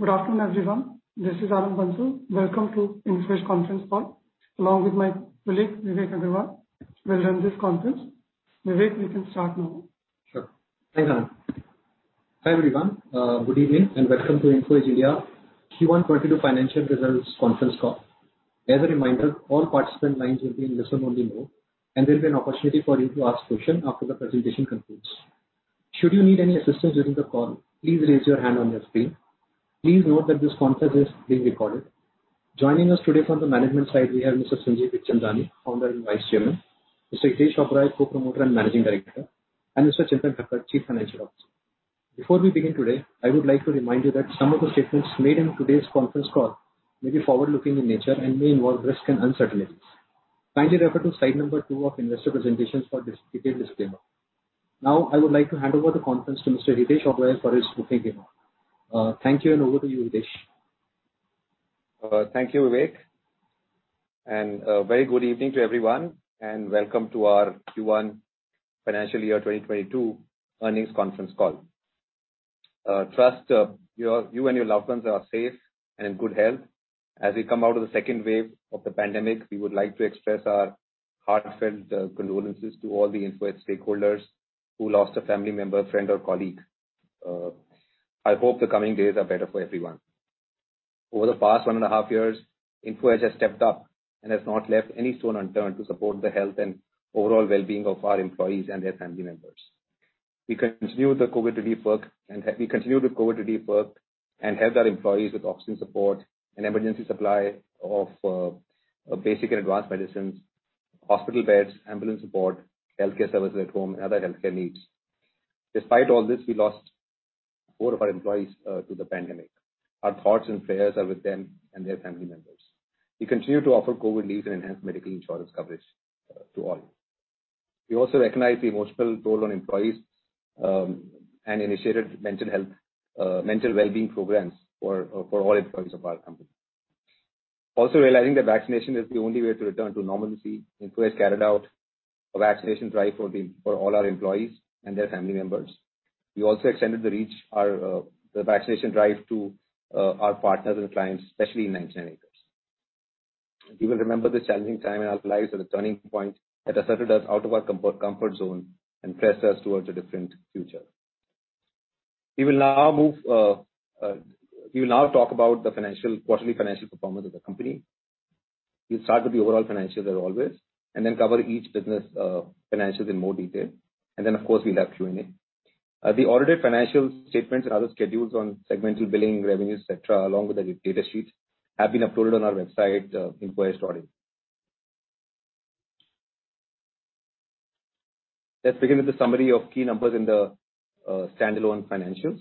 Good afternoon, everyone. This is Anand Bansal. Welcome to Info Edge conference call, along with my colleague, Vivek Aggarwal. We will run this conference. Vivek, we can start now. Sure. Hi, Anand. Hi, everyone. Good evening and welcome to Info Edge India Q1 2022 Financial Results conference call. As a reminder, all participant lines will be in listen-only mode, and there'll be an opportunity for you to ask questions after the presentation concludes. Should you need any assistance during the call, please raise your hand on your screen. Please note that this conference is being recorded. Joining us today from the management side, we have Mr. Sanjeev Bikhchandani, Founder and Vice Chairman, Mr. Hitesh Oberoi, Co-promoter and Managing Director, and Mr. Chintan Thakkar, Chief Financial Officer. Before we begin today, I would like to remind you that some of the statements made in today's conference call may be forward-looking in nature and may involve risks and uncertainties. Kindly refer to slide number two of investor presentations for this detailed disclaimer. I would like to hand over the conference to Mr. Hitesh Oberoi for his opening remarks. Thank you, over to you, Hitesh. Thank you, Vivek, and very good evening to everyone, and welcome to our Q1 financial year 2022 earnings conference call. Trust you and your loved ones are safe and in good health. As we come out of the second wave of the pandemic, we would like to express our heartfelt condolences to all the Info Edge stakeholders who lost a family member, friend, or colleague. I hope the coming days are better for everyone. Over the past 1.5 years, Info Edge has stepped up and has not left any stone unturned to support the health and overall well-being of our employees and their family members. We continued with COVID relief work and helped our employees with oxygen support and emergency supply of basic and advanced medicines, hospital beds, ambulance support, healthcare services at home, and other healthcare needs. Despite all this, we lost four of our employees to the pandemic. Our thoughts and prayers are with them and their family members. We continue to offer COVID leave and enhanced medical insurance coverage to all. We also recognize the emotional toll on employees, and initiated mental well-being programs for all employees of our company. Also realizing that vaccination is the only way to return to normalcy, Info Edge carried out a vaccination drive for all our employees and their family members. We also extended the reach of the vaccination drive to our partners and clients, especially in 99acres. We will remember this challenging time in our lives as a turning point that has asserted us out of our comfort zone and pressed us towards a different future. We will now talk about the quarterly financial performance of the company. We'll start with the overall financials as always, then cover each business financials in more detail. Then of course, we'll have Q&A. The audited financial statements and other schedules on segmental billing revenues, et cetera, along with the data sheets, have been uploaded on our website, infoedge.in. Let's begin with the summary of key numbers in the standalone financials.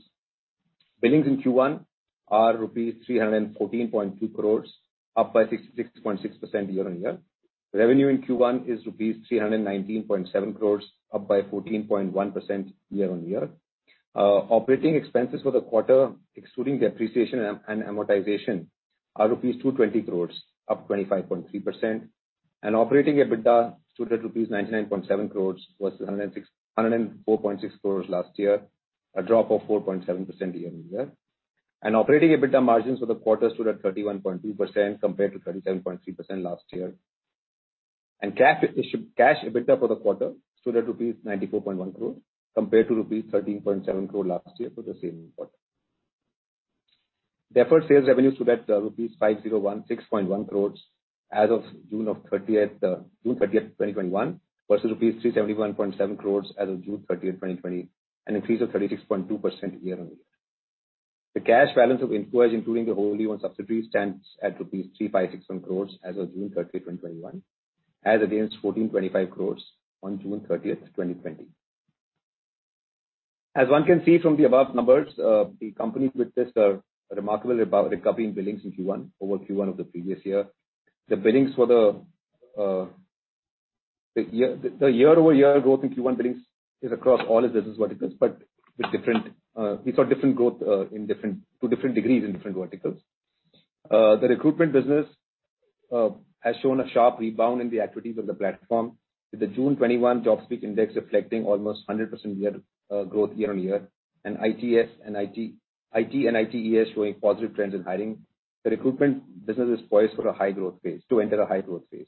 Billings in Q1 are rupees 314.2 crores, up by 66.6% year-on-year. Revenue in Q1 is rupees 319.7 crores, up by 14.1% year-on-year. Operating expenses for the quarter, excluding depreciation and amortization, are rupees 220 crores, up 25.3%. Operating EBITDA stood at rupees 99.7 crores versus 104.6 crores last year, a drop of 4.7% year-on-year. Operating EBITDA margins for the quarter stood at 31.2% compared to 37.3% last year. Cash EBITDA for the quarter stood at rupees 94.1 crore compared to rupees 13.7 crore last year for the same quarter. Deferred sales revenue stood at rupees 5,016.1 crores as of June 30th, 2021, versus rupees 371.7 crores as of June 30th, 2020, an increase of 36.2% year-on-year. The cash balance of Info Edge, including the wholly-owned subsidiaries, stands at rupees 3,561 crores as of June 30th, 2021, as against 1,425 crores on June 30th, 2020. As one can see from the above numbers, the company witnessed a remarkable recovery in billings in Q1 over Q1 of the previous year. The year-on-year growth in Q1 billings is across all its business verticals, but we saw different growth to different degrees in different verticals. The recruitment business has shown a sharp rebound in the activities of the platform, with the June 2021 JobSpeak index reflecting almost 100% growth year-on-year, and IT and ITES showing positive trends in hiring. The recruitment business is poised to enter a high-growth phase.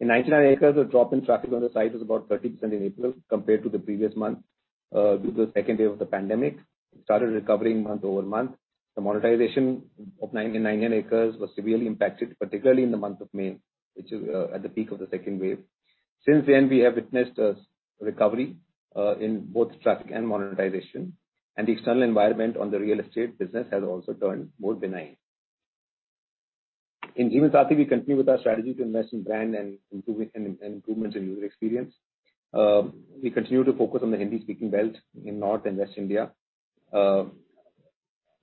In 99acres, the drop in traffic on the site was about 30% in April compared to the previous month due to the second wave of the pandemic. It started recovering month-over-month. The monetization of 99acres was severely impacted, particularly in the month of May, which is at the peak of the second wave. Since then, we have witnessed a recovery in both traffic and monetization, and the external environment on the real estate business has also turned more benign. In Jeevansathi, we continue with our strategy to invest in brand and improvements in user experience. We continue to focus on the Hindi-speaking belt in North and West India.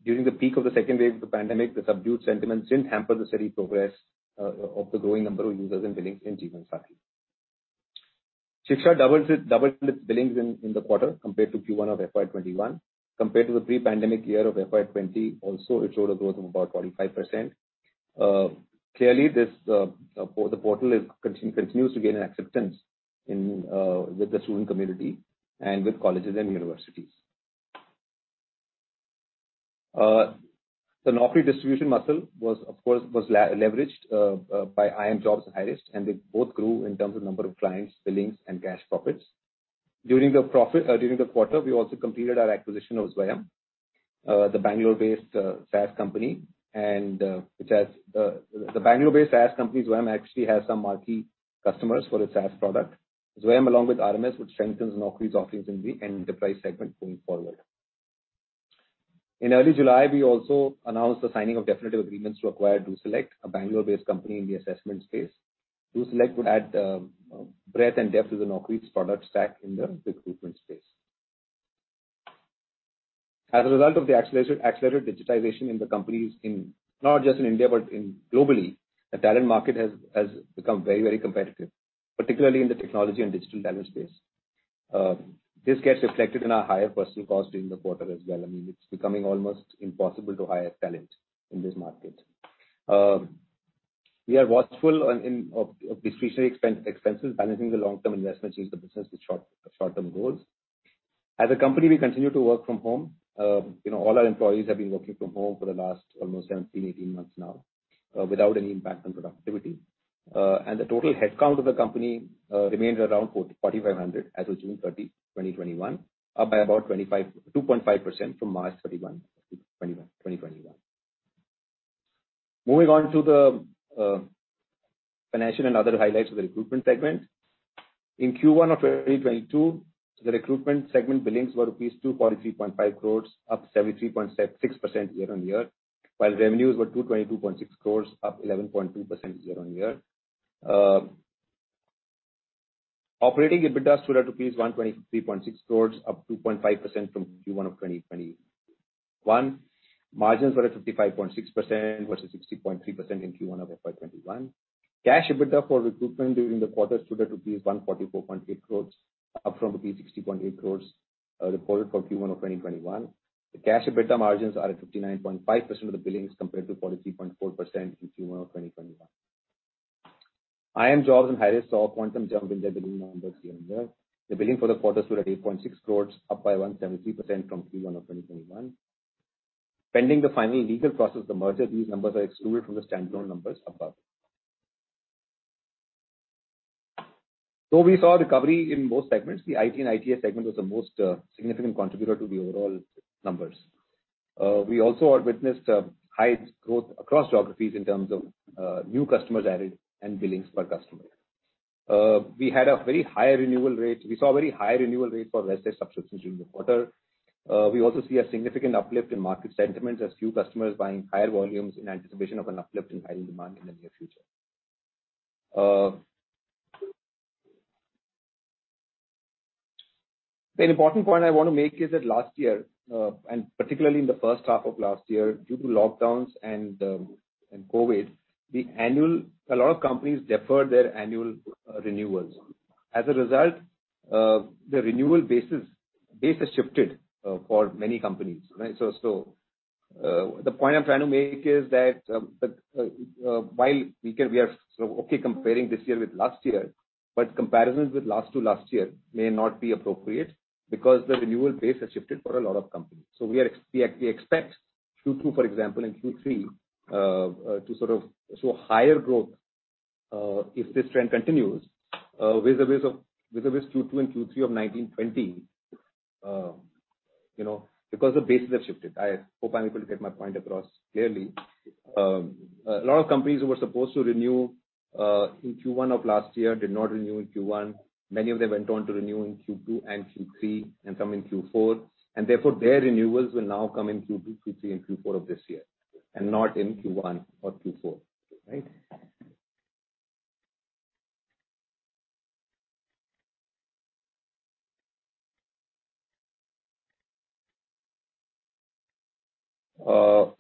During the peak of the second wave of the pandemic, the subdued sentiments didn't hamper the steady progress of the growing number of users and billings in Jeevansathi. Shiksha doubled its billings in the quarter compared to Q1 of FY 2021. Compared to the pre-pandemic year of FY 2020, also it showed a growth of about 45%. Clearly, the portal continues to gain acceptance with the student community and with colleges and universities. The Naukri distribution muscle was, of course, leveraged by IIMJOBS and Hirist, and they both grew in terms of number of clients, billings, and cash profits. During the quarter, we also completed our acquisition of Zwayam, the Bangalore-based SaaS company. The Bangalore-based SaaS company, Zwayam, actually has some marquee customers for its SaaS product. Zwayam, along with RMS, which strengthens Naukri's offerings in the enterprise segment going forward. In early July, we also announced the signing of definitive agreements to acquire DoSelect, a Bangalore-based company in the assessment space. DoSelect would add breadth and depth to the Naukri's product stack in the recruitment space. As a result of the accelerated digitization in the companies, not just in India but globally, the talent market has become very competitive, particularly in the technology and digital talent space. This gets reflected in our higher personal cost during the quarter as well. I mean, it's becoming almost impossible to hire talent in this market. We are watchful of discretionary expenses, balancing the long-term investments use the business with short-term goals. As a company, we continue to work from home. All our employees have been working from home for the last almost 17, 18 months now, without any impact on productivity. The total headcount of the company remains around 4,500 as of June 30, 2021, up by about 2.5% from March 31, 2021. Moving on to the financial and other highlights of the Recruitment segment. In Q1 of 2022, the Recruitment segment billings were rupees 243.5 crores, up 73.6% year-on-year, while revenues were 222.6 crores, up 11.2% year-on-year. Operating EBITDA stood at rupees 123.6 crores, up 2.5% from Q1 of 2021. Margins were at 55.6% versus 60.3% in Q1 of FY 2021. Cash EBITDA for recruitment during the quarter stood at rupees 144.8 crores, up from rupees 60.8 crores reported for Q1 of 2021. The Cash EBITDA margins are at 59.5% of the billings, compared to 43.4% in Q1 of 2021. IIMJOBS and Hirist saw a quantum jump in their billing numbers year-on-year. The billing for the quarter stood at 8.6 crores, up by 173% from Q1 of 2021. Pending the final legal process of the merger, these numbers are excluded from the standalone numbers above. We saw recovery in most segments. The IT and ITES segment was the most significant contributor to the overall numbers. We also have witnessed high growth across geographies in terms of new customers added and billings per customer. We saw a very high renewal rate for Resdex subscriptions during the quarter. We also see a significant uplift in market sentiment as few customers buying higher volumes in anticipation of an uplift in hiring demand in the near future. The important point I want to make is that last year, and particularly in the first half of last year, due to lockdowns and COVID, a lot of companies deferred their annual renewals. As a result, the renewal base has shifted for many companies, right? The point I'm trying to make is that while we are comparing this year with last year, but comparisons with last-to-last year may not be appropriate because the renewal base has shifted for a lot of companies. We expect Q2, for example, and Q3 to show higher growth, if this trend continues vis-a-vis Q2 and Q3 of 2019/2020 because the bases have shifted. I hope I'm able to get my point across clearly. A lot of companies who were supposed to renew in Q1 of last year did not renew in Q1. Many of them went on to renew in Q2 and Q3 and some in Q4, and therefore their renewals will now come in Q2, Q3, and Q4 of this year, and not in Q1 or Q4. Right?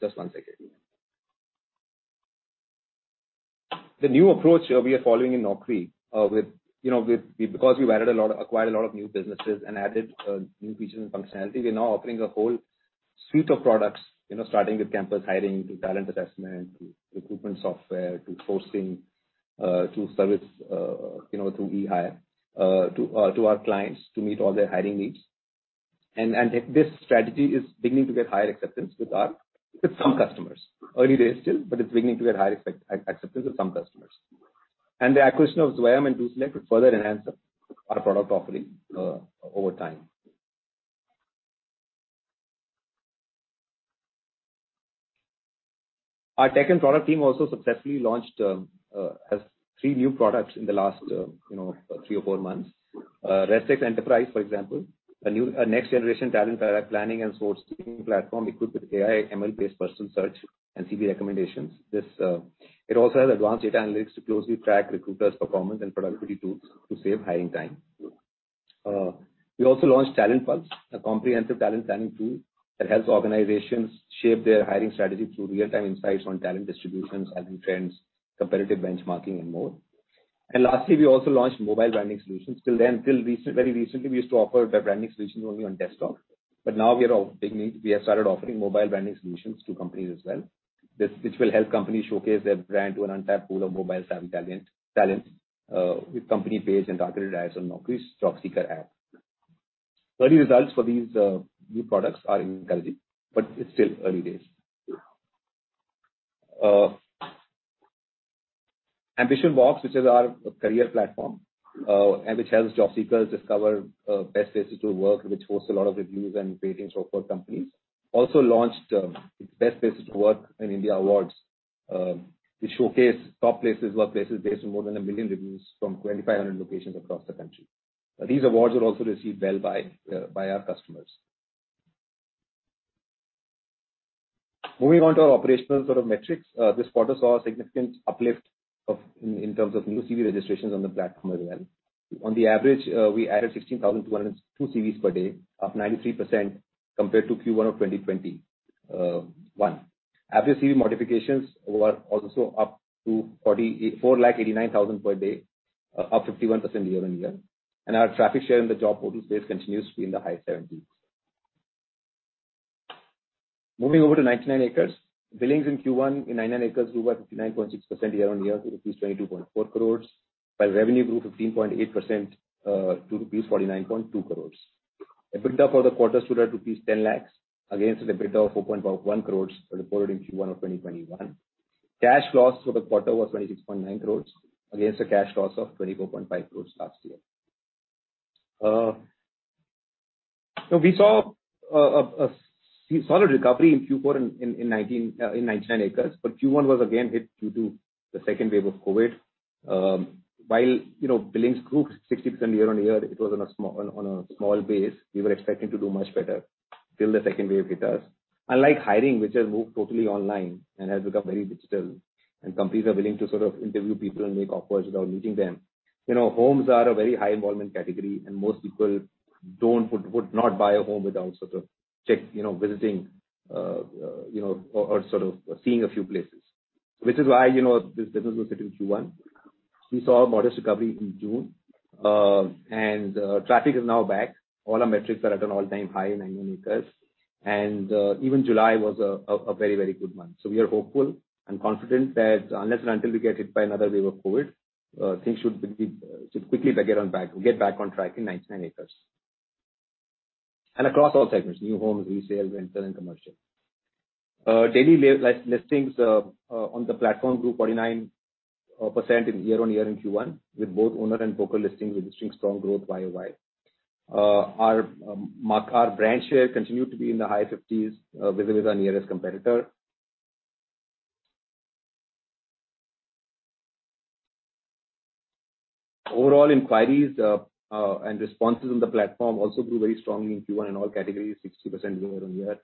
Just one second. The new approach here we are following in Naukri because we've acquired a lot of new businesses and added new features and functionality, we're now offering a whole suite of products, starting with campus hiring to talent assessment, to recruitment software, to sourcing, to service through eHire to our clients to meet all their hiring needs. This strategy is beginning to get higher acceptance with some customers. Early days still, but it's beginning to get higher acceptance with some customers. The acquisition of Zwayam and DoSelect will further enhance our product offering over time. Our tech and product team also successfully launched three new products in the last three or four months. Resdex Enterprise, for example, a next generation talent planning and sourcing platform equipped with AI, ML-based personal search and CV recommendations. It also has advanced data analytics to closely track recruiters' performance and productivity tools to save hiring time. We also launched Talent Pulse, a comprehensive talent planning tool that helps organizations shape their hiring strategy through real-time insights on talent distributions, hiring trends, competitive benchmarking, and more. Lastly, we also launched Mobile Branding Solutions. Till very recently, we used to offer the branding solutions only on desktop, but now we have started offering Mobile Branding Solutions to companies as well. This will help companies showcase their brand to an untapped pool of mobile-savvy talent with company-based and targeted ads on Naukri's job seeker app. Early results for these new products are encouraging, but it's still early days. AmbitionBox, which is our career platform and which helps job seekers discover Best Places to Work, which hosts a lot of reviews and ratings for companies, also launched its Best Places to Work in India awards, which showcase top places based on more than 1 million reviews from 2,500 locations across the country. These awards were also received well by our customers. Moving on to our operational sort of metrics. This quarter saw a significant uplift in terms of new CV registrations on the platform as well. On the average, we added 16,202 CVs per day, up 93% compared to Q1 of 2021. Average CV modifications were also up to 4.89 lakh per day, up 51% year-on-year. Our traffic share in the job portal space continues to be in the high 70s%. Moving over to 99acres. Billings in Q1 in 99acres grew by 59.6% year-on-year to rupees 22.4 crores while revenue grew 15.8% to rupees 49.2 crores. EBITDA for the quarter stood at rupees 10 lakhs against an EBITDA of 4.1 crores reported in Q1 of 2021. Cash loss for the quarter was 26.9 crores against a cash loss of 24.5 crores last year. We saw a solid recovery in Q4 in 99acres, but Q1 was again hit due to the second wave of COVID. While billings grew 60% year-on-year, it was on a small base. We were expecting to do much better till the second wave hit us. Unlike hiring, which has moved totally online and has become very digital, and companies are willing to sort of interview people and make offers without meeting them, homes are a very high involvement category and most people would not buy a home without sort of visiting or sort of seeing a few places, which is why this business was hit in Q1. We saw a modest recovery in June. Traffic is now back. All our metrics are at an all-time high in 99acres and even July was a very good month. We are hopeful and confident that unless and until we get hit by another wave of COVID, things should quickly get back on track in 99acres and across all segments, new homes, resale, rental, and commercial. Daily listings on the platform grew 49% year-on-year in Q1 with both owner and broker listings registering strong growth YoY. Our brand share continued to be in the high 50s% vis-a-vis our nearest competitor. Overall inquiries and responses on the platform also grew very strongly in Q1 in all categories, 60% year-on-year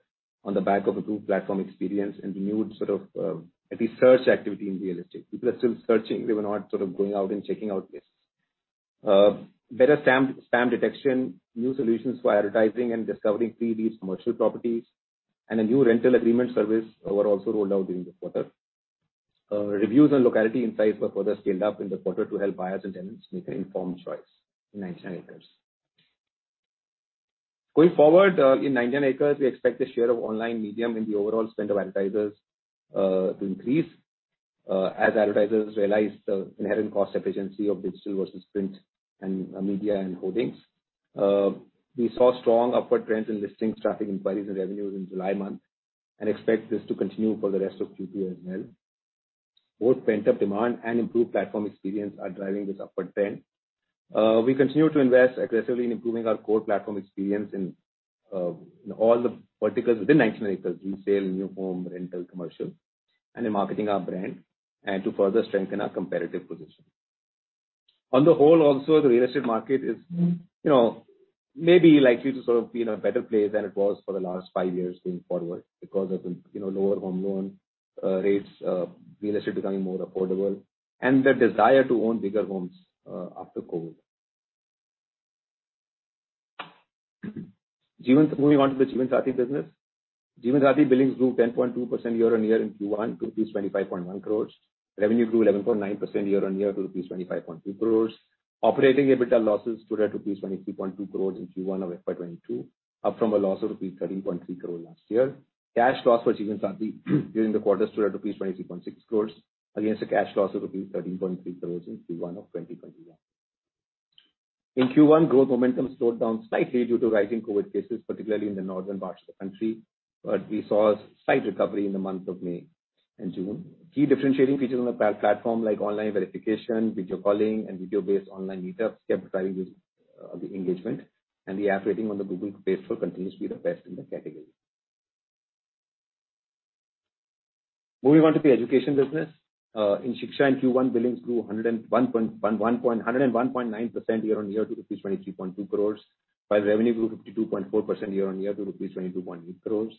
on the back of improved platform experience and renewed sort of research activity in real estate. People are still searching. They were not sort of going out and checking out places. Better spam detection, new solutions for advertising and discovering 3D commercial properties, and a new rental agreement service were also rolled out during the quarter. Reviews and locality insights were further scaled up in the quarter to help buyers and tenants make an informed choice in 99acres. Going forward, in 99acres, we expect the share of online medium in the overall spend of advertisers to increase as advertisers realize the inherent cost efficiency of digital versus print and media and holdings. We saw strong upward trends in listings, traffic inquiries, and revenues in July month and expect this to continue for the rest of Q2 as well. Both pent-up demand and improved platform experience are driving this upward trend. We continue to invest aggressively in improving our core platform experience in all the verticals within 99acres, resale, new home, rental, commercial, and in marketing our brand and to further strengthen our competitive position. On the whole, also, the real estate market is maybe likely to sort of be in a better place than it was for the last five years going forward because of lower home loan rates, real estate becoming more affordable and the desire to own bigger homes after COVID. Moving on to the Jeevansathi business. Jeevansathi billings grew 10.2% year-on-year in Q1 to rupees 25.1 crores. Revenue grew 11.9% year-on-year to rupees 25.2 crores. Operating EBITDA losses stood at rupees 23.2 crores in Q1 of FY 2022 up from a loss of rupees 13.3 crore last year. Cash loss for Jeevansathi during the quarter stood at rupees 23.6 crores against a cash loss of rupees 13.3 crores in Q1 of 2021. In Q1, growth momentum slowed down slightly due to rising COVID cases, particularly in the northern parts of the country, but we saw a slight recovery in the months of May and June. Key differentiating features on the platform like online verification, video calling and video-based online meetups kept driving the engagement and the app rating on the Google Play Store continues to be the best in the category. Moving on to the education business. In Shiksha in Q1, billings grew 101.9% year-on-year to rupees 23.2 crores while revenue grew 52.4% year-on-year to rupees 22.8 crores.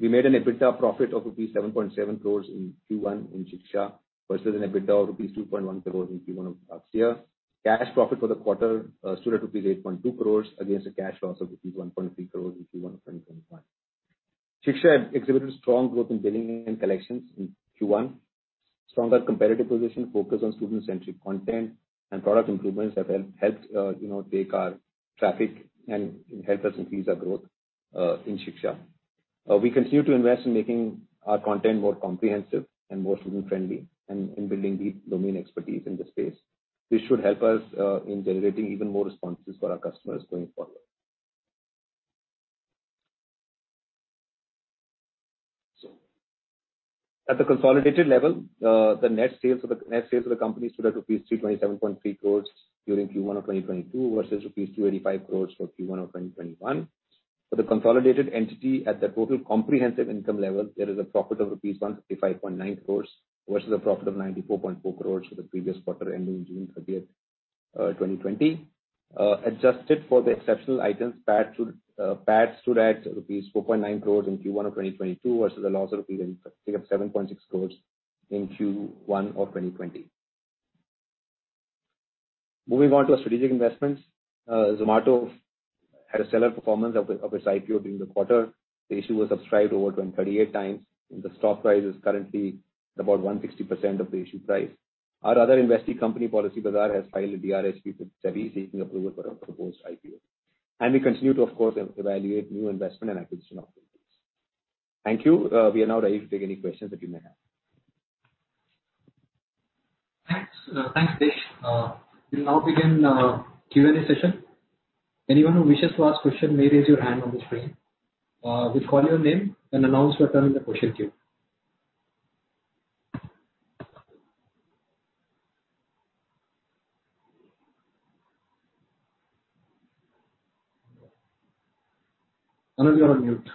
We made an EBITDA profit of rupees 7.7 crores in Q1 in Shiksha versus an EBITDA of rupees 2.1 crores in Q1 of last year. Cash profit for the quarter stood at rupees 8.2 crores against a cash loss of rupees 1.3 crores in Q1 of 2021. Shiksha had exhibited strong growth in billing and collections in Q1. Stronger competitive position, focus on student-centric content and product improvements have helped take our traffic and helped us increase our growth in Shiksha. We continue to invest in making our content more comprehensive and more student-friendly and in building deep domain expertise in the space. This should help us in generating even more responses for our customers going forward. At the consolidated level, the net sales of the company stood at rupees 327.3 crores during Q1 of 2022 versus rupees 285 crores for Q1 of 2021. For the consolidated entity at the total comprehensive income level, there is a profit of rupees 155.9 crores versus a profit of 94.4 crores for the previous quarter ending June 30, 2020. Adjusted for the exceptional items, PAT stood at rupees 4.9 crores in Q1 of 2022 versus a loss of 7.6 crores in Q1 of 2020. Moving on to our strategic investments. Zomato had a stellar performance of its IPO during the quarter. The issue was subscribed over 238 times, and the stock price is currently about 160% of the issue price. Our other investee company, Policybazaar, has filed a DRHP with SEBI seeking approval for a proposed IPO. We continue to, of course, evaluate new investment and acquisition opportunities. Thank you. We are now ready to take any questions that you may have. Thanks, Hitesh. We'll now begin Q&A session. Anyone who wishes to ask question may raise your hand on the screen. We'll call your name and announce your turn in the question queue. Anand, you're on mute.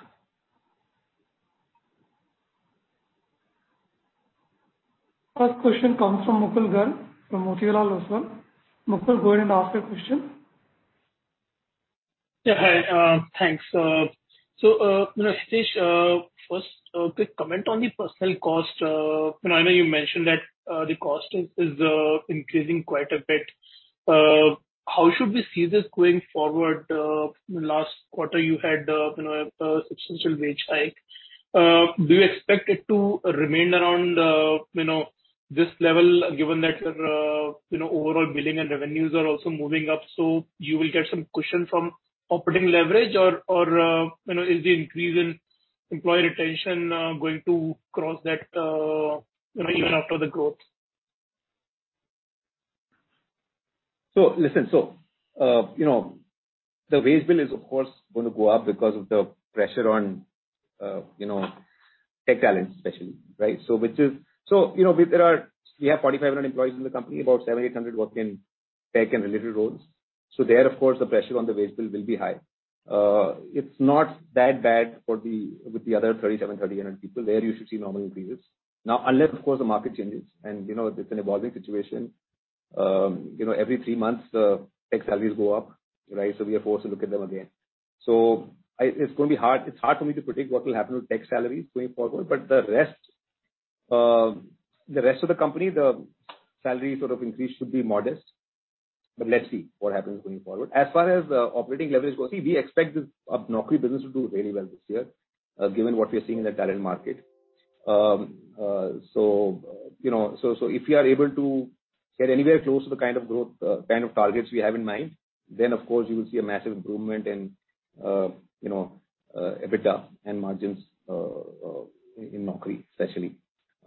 First question comes from Mukul Garg from Motilal Oswal. Mukul, go ahead and ask your question. Hi, thanks. Hitesh, first, quick comment on the personnel cost. I know you mentioned that the cost is increasing quite a bit. How should we see this going forward? Last quarter you had a substantial wage hike. Do you expect it to remain around this level, given that your overall billing and revenues are also moving up, so you will get some cushion from operating leverage? Or is the increase in employee retention going to cross that even after the growth? Listen. The wage bill is, of course, going to go up because of the pressure on tech talent especially, right? We have 4,500 employees in the company, about 700, 800 work in tech and related roles. There, of course, the pressure on the wage bill will be high. It's not that bad with the other 3,700, 3,800 people. There you should see normal increases. Unless, of course, the market changes and it's an evolving situation. Every three months tech salaries go up, right? We are forced to look at them again. It's hard for me to predict what will happen with tech salaries going forward. The rest of the company, the salary increase should be modest. Let's see what happens going forward. As far as operating leverage goes, we expect this Naukri business will do very well this year given what we are seeing in the talent market. If we are able to get anywhere close to the kind of targets we have in mind, then of course you will see a massive improvement in EBITDA and margins in Naukri especially.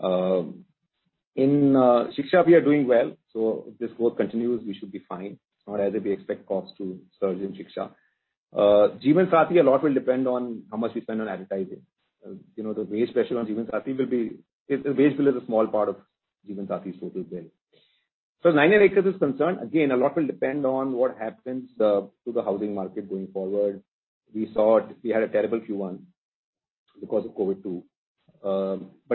In Shiksha, we are doing well, so if this growth continues, we should be fine. It's not as if we expect costs to surge in Shiksha. Jeevansathi, a lot will depend on how much we spend on advertising. The wage bill is a small part of Jeevansathi's total bill. As 99acres is concerned, again, a lot will depend on what happens to the housing market going forward. We had a terrible Q1 because of COVID too.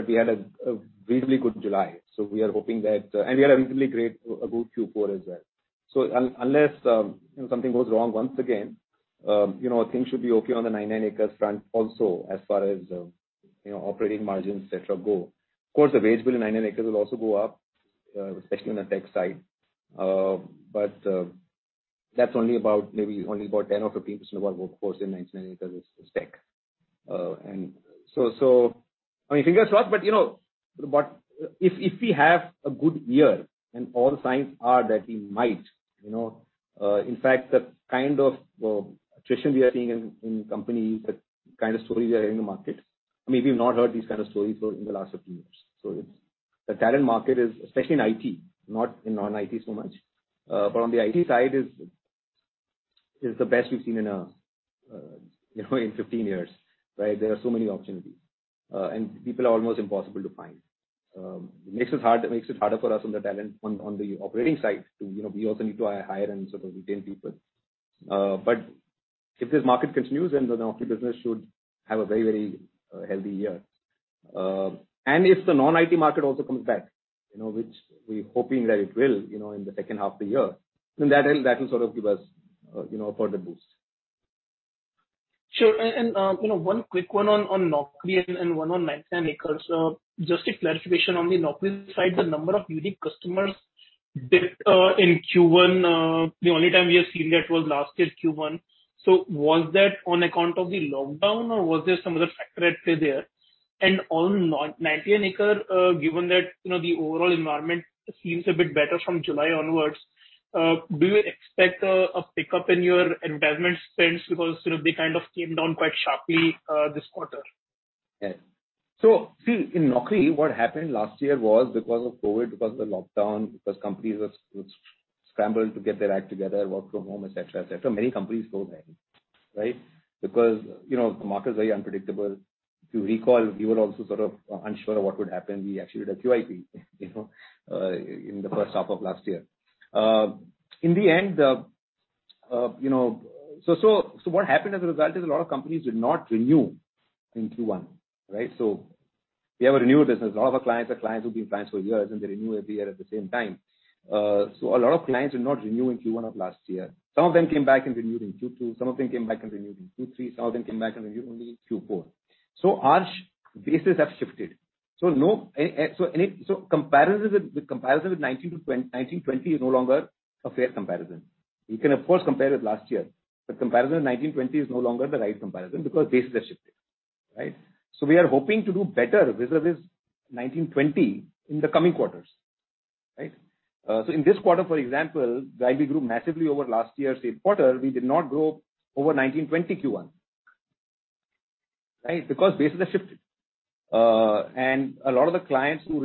We had a reasonably good July, and we had a reasonably good Q4 as well. Unless something goes wrong once again things should be okay on the 99acres front also, as far as operating margins, et cetera, go. Of course, the wage bill in 99acres will also go up especially on the tech side. That's only about maybe 10% or 15% of our workforce in 99acres is tech. I mean, fingers crossed. If we have a good year, and all the signs are that we might. In fact, the kind of attrition we are seeing in companies, the kind of stories we are hearing in the market. I mean, we've not heard these kind of stories in the last 15 years. The talent market, especially in IT, not in non-IT so much. On the IT side is the best we've seen in 15 years, right. There are so many opportunities and people are almost impossible to find. It makes it harder for us on the operating side too. We also need to hire and sort of retain people. If this market continues, then the Naukri business should have a very healthy year. If the non-IT market also comes back, which we're hoping that it will in the second half of the year, then that will sort of give us a further boost. Sure. One quick one on Naukri and one on 99acres. Just a clarification on the Naukri side, the number of unique customers in Q1, the only time we have seen that was last year, Q1. Was that on account of the lockdown or was there some other factor at play there? On 99acres, given that the overall environment seems a bit better from July onwards, do you expect a pickup in your advertisement spends because they kind of came down quite sharply this quarter? Yeah. See, in Naukri, what happened last year was because of COVID, because of the lockdown, because companies were scrambled to get their act together, work from home, et cetera. Many companies go there, right? The market is very unpredictable. If you recall, we were also sort of unsure of what would happen. We actually did a QIP in the first half of last year. What happened as a result is a lot of companies did not renew in Q1, right? We have a renewal business. A lot of our clients are clients who've been clients for years, and they renew every year at the same time. A lot of clients did not renew in Q1 of last year. Some of them came back and renewed in Q2, some of them came back and renewed in Q3, some of them came back and renewed only in Q4. Our bases have shifted. Comparison with 2019/2020 is no longer a fair comparison. You can, of course, compare with last year, but comparison with 2019/2020 is no longer the right comparison because bases have shifted. We are hoping to do better vis-a-vis 2019/2020 in the coming quarters. In this quarter, for example, while we grew massively over last year's same quarter, we did not grow over 2019/2020 Q1. Because bases have shifted. A lot of the clients who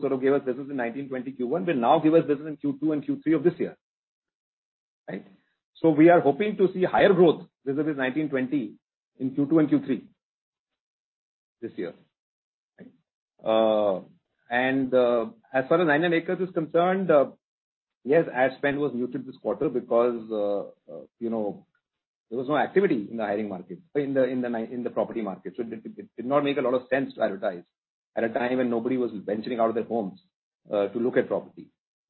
sort of gave us business in 2019/2020 Q1 will now give us business in Q2 and Q3 of this year. We are hoping to see higher growth vis-a-vis 2019/2020 in Q2 and Q3 this year. Right? As far as 99acres is concerned, yes, ad spend was muted this quarter because there was no activity in the hiring market, in the property market. It did not make a lot of sense to advertise at a time when nobody was venturing out of their homes to look at property.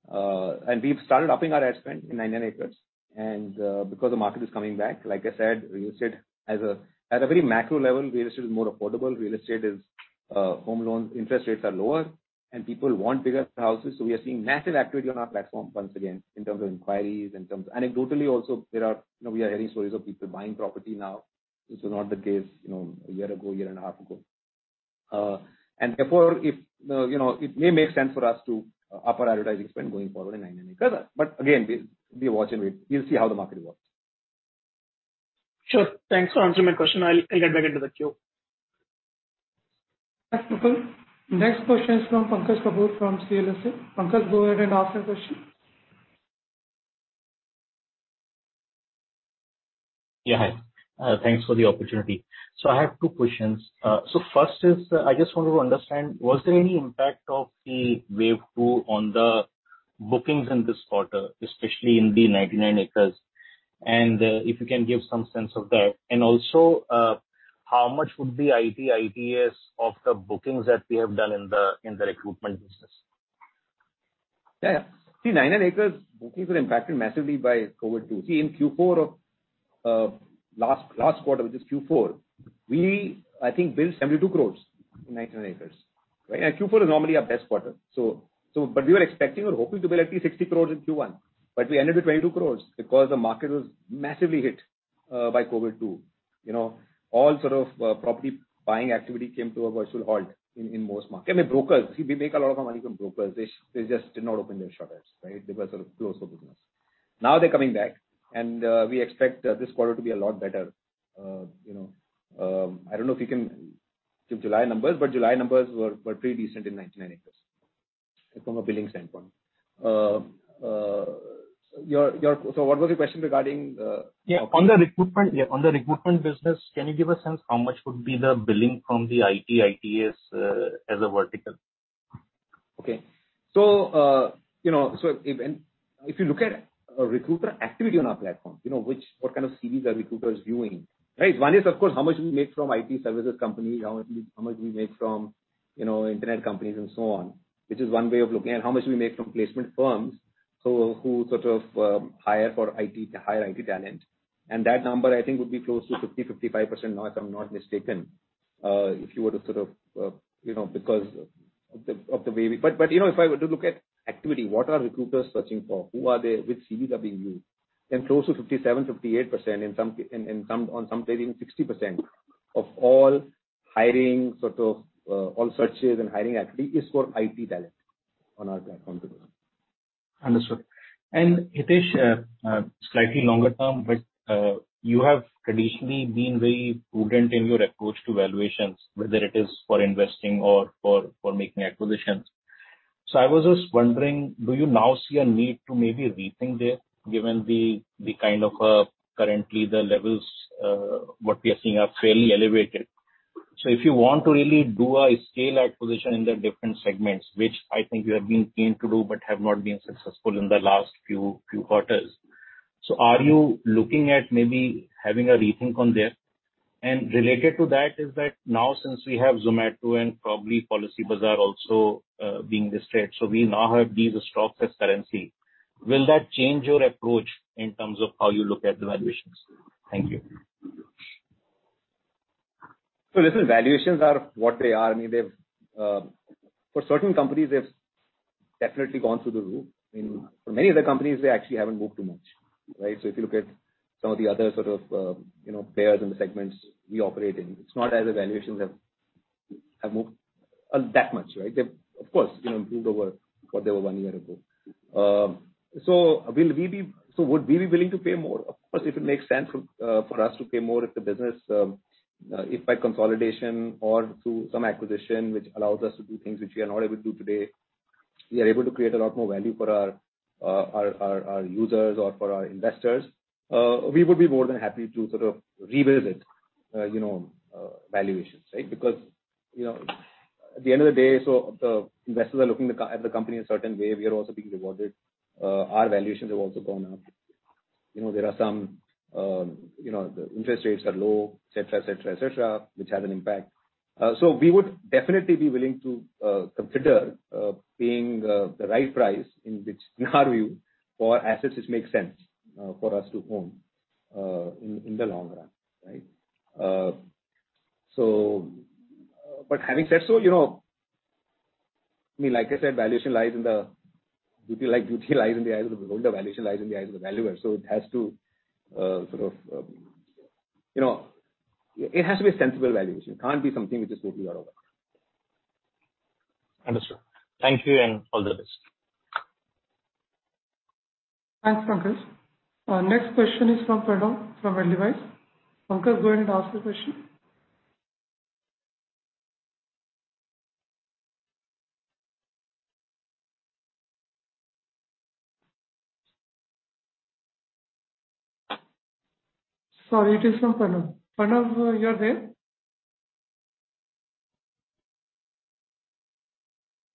We've started upping our ad spend in 99acres and because the market is coming back. Like I said, real estate at a very macro level, real estate is more affordable. Home loan interest rates are lower and people want bigger houses, so we are seeing massive activity on our platform once again, in terms of inquiries. Anecdotally, also, we are hearing stories of people buying property now. This was not the case a year ago, a year and a half ago. Therefore, it may make sense for us to up our advertising spend going forward in 99acres. Again, we watch and wait. We'll see how the market evolves. Sure. Thanks for answering my question. I'll get back into the queue. Thanks, Mukul. Next question is from Pankaj Kapoor from CLSA. Pankaj, go ahead and ask your question. Yeah. Thanks for the opportunity. I have two questions. First is, I just want to understand, was there any impact of the wave two on the bookings in this quarter, especially in the 99acres, and if you can give some sense of that. Also, how much would be IT, ITES of the bookings that we have done in the recruitment business? Yeah. See, 99acres bookings were impacted massively by COVID too. In Q4 of last quarter, which is Q4, we, I think, billed 72 crores in 99acres. Right? Q4 is normally our best quarter. We were expecting or hoping to bill at least 60 crores in Q1, but we ended with 22 crores because the market was massively hit by COVID too. All sort of property buying activity came to a virtual halt in most markets. I mean, brokers. We make a lot of our money from brokers. They just did not open their shutters, right? They were sort of closed for business. Now they're coming back, and we expect this quarter to be a lot better. I don't know if you can give July numbers, but July numbers were pretty decent in 99acres from a billing standpoint. What was your question regarding. Yeah. On the recruitment business, can you give a sense how much would be the billing from the IT, ITES as a vertical? Okay. If you look at recruiter activity on our platform, what kind of CVs are recruiters viewing, right? One is, of course, how much we make from IT services companies, how much we make from internet companies and so on, which is one way of looking at it. How much we make from placement firms, so who sort of hire IT talent. That number, I think, would be close to 50%-55%, unless I'm not mistaken. If I were to look at activity, what are recruiters searching for? Who are they? Which CV are being viewed? Close to 57%-58%, on some trading, 60% of all searches and hiring activity is for IT talent on our platform today. Understood. Hitesh, slightly longer term, but you have traditionally been very prudent in your approach to valuations, whether it is for investing or for making acquisitions. I was just wondering, do you now see a need to maybe rethink this given the kind of currently the levels what we are seeing are fairly elevated. If you want to really do a scale acquisition in the different segments, which I think you have been keen to do but have not been successful in the last few quarters. Are you looking at maybe having a rethink on this? Related to that is that now since we have Zomato and probably Policybazaar also being listed, so we now have these stocks as currency. Will that change your approach in terms of how you look at the valuations? Thank you. Listen, valuations are what they are. For certain companies, they've definitely gone through the roof. For many other companies, they actually haven't moved too much. Right? If you look at some of the other players in the segments we operate in, it's not as the valuations have moved that much, right? They've, of course, improved over what they were one year ago. Would we be willing to pay more? Of course, if it makes sense for us to pay more if the business, if by consolidation or through some acquisition, which allows us to do things which we are not able to do today, we are able to create a lot more value for our users or for our investors. We would be more than happy to revisit valuations, right? At the end of the day, the investors are looking at the company a certain way. We are also being rewarded. Our valuations have also gone up. The interest rates are low, et cetera, which has an impact. We would definitely be willing to consider paying the right price in our view for assets which make sense for us to own in the long run. Right. Having said so, like I said, beauty lies in the eye of the beholder. Valuation lies in the eyes of the valuer. It has to be a sensible valuation. It can't be something which is totally out of whack. Understood. Thank you, and all the best. Thanks, Pankaj. Our next question is from Pranav from Edelweiss. Pranav, go ahead and ask the question. Sorry, it is from Pranav. Pranav, are you there?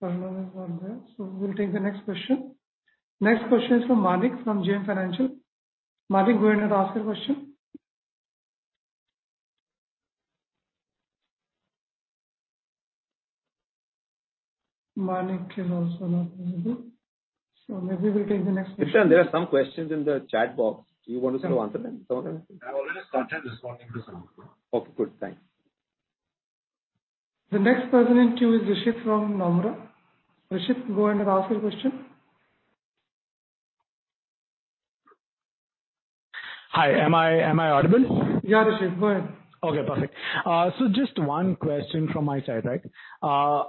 Pranav is not there, we'll take the next question. Next question is from Manik from JM Financial. Manik, go ahead and ask your question. Manik is also not available, maybe we'll take the next question. Chintan, there are some questions in the chat box. Do you want to answer them? I've already started responding to some. Okay, good. Thanks. The next person in queue is Rishit from Nomura. Rishit, go ahead and ask your question. Hi, am I audible? Yeah, Rishit, go ahead. Okay, perfect. Just one question from my side. There was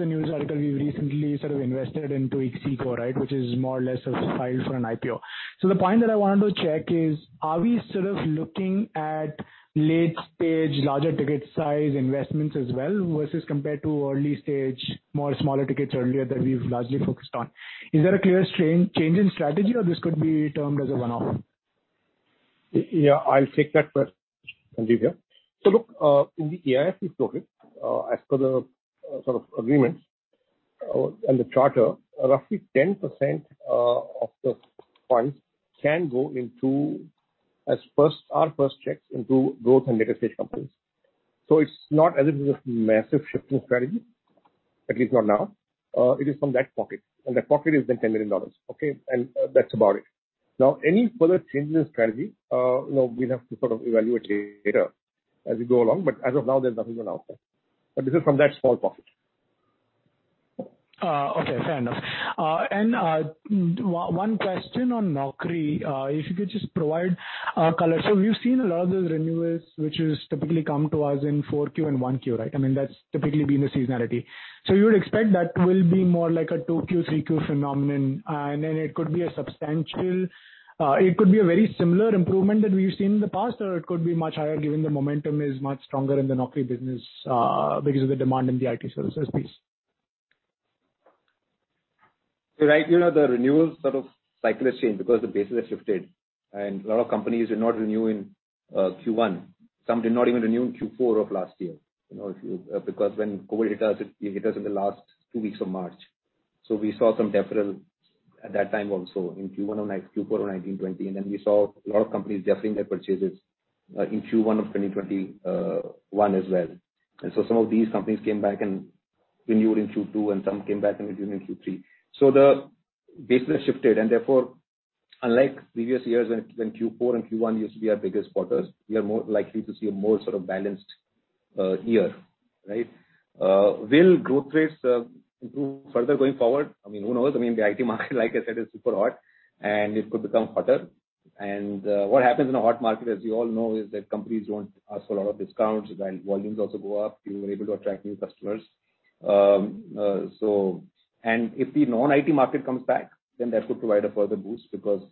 a news article we recently invested into Xpressbees, which is more or less has filed for an IPO. The point that I wanted to check is, are we looking at late-stage, larger ticket size investments as well, versus compared to early stage, more smaller tickets earlier that we've largely focused on? Is there a clear change in strategy or this could be termed as a one-off? Yeah, I'll take that first, Rishit. Look, in the AIF we floated, as per the agreement and the charter, roughly 10% of the funds can go into our first checks into growth and later-stage companies. It's not as if it's a massive shift in strategy, at least not now. It is from that pocket, and that pocket is the INR 10 million, okay? That's about it. Any further changes in strategy, we'll have to evaluate later as we go along, but as of now, there's nothing announced there. This is from that small pocket. Okay, fair enough. One question on Naukri, if you could just provide color. We've seen a lot of those renewals, which typically come to us in 4Q and 1Q, right? That's typically been the seasonality. You would expect that will be more like a 2Q, 3Q phenomenon, and then it could be a very similar improvement that we've seen in the past, or it could be much higher given the momentum is much stronger in the Naukri business because of the demand in the IT services piece. Right now the renewal cycle has changed because the bases have shifted and a lot of companies did not renew in Q1. Some did not even renew in Q4 of last year. Because when COVID hit us, it hit us in the last two weeks of March. We saw some deferrals at that time also in Q4 of 2019/2020. We saw a lot of companies deferring their purchases in Q1 of 2021 as well. Some of these companies came back and renewed in Q2, and some came back and renewed in Q3. The business shifted, and therefore, unlike previous years when Q4 and Q1 used to be our biggest quarters, we are more likely to see a more balanced year. Right. Will growth rates improve further going forward? Who knows? The IT market, like I said, is super hot, and it could become hotter. What happens in a hot market, as you all know, is that companies don't ask for a lot of discounts, and volumes also go up. You are able to attract new customers. If the non-IT market comes back, that could provide a further boost because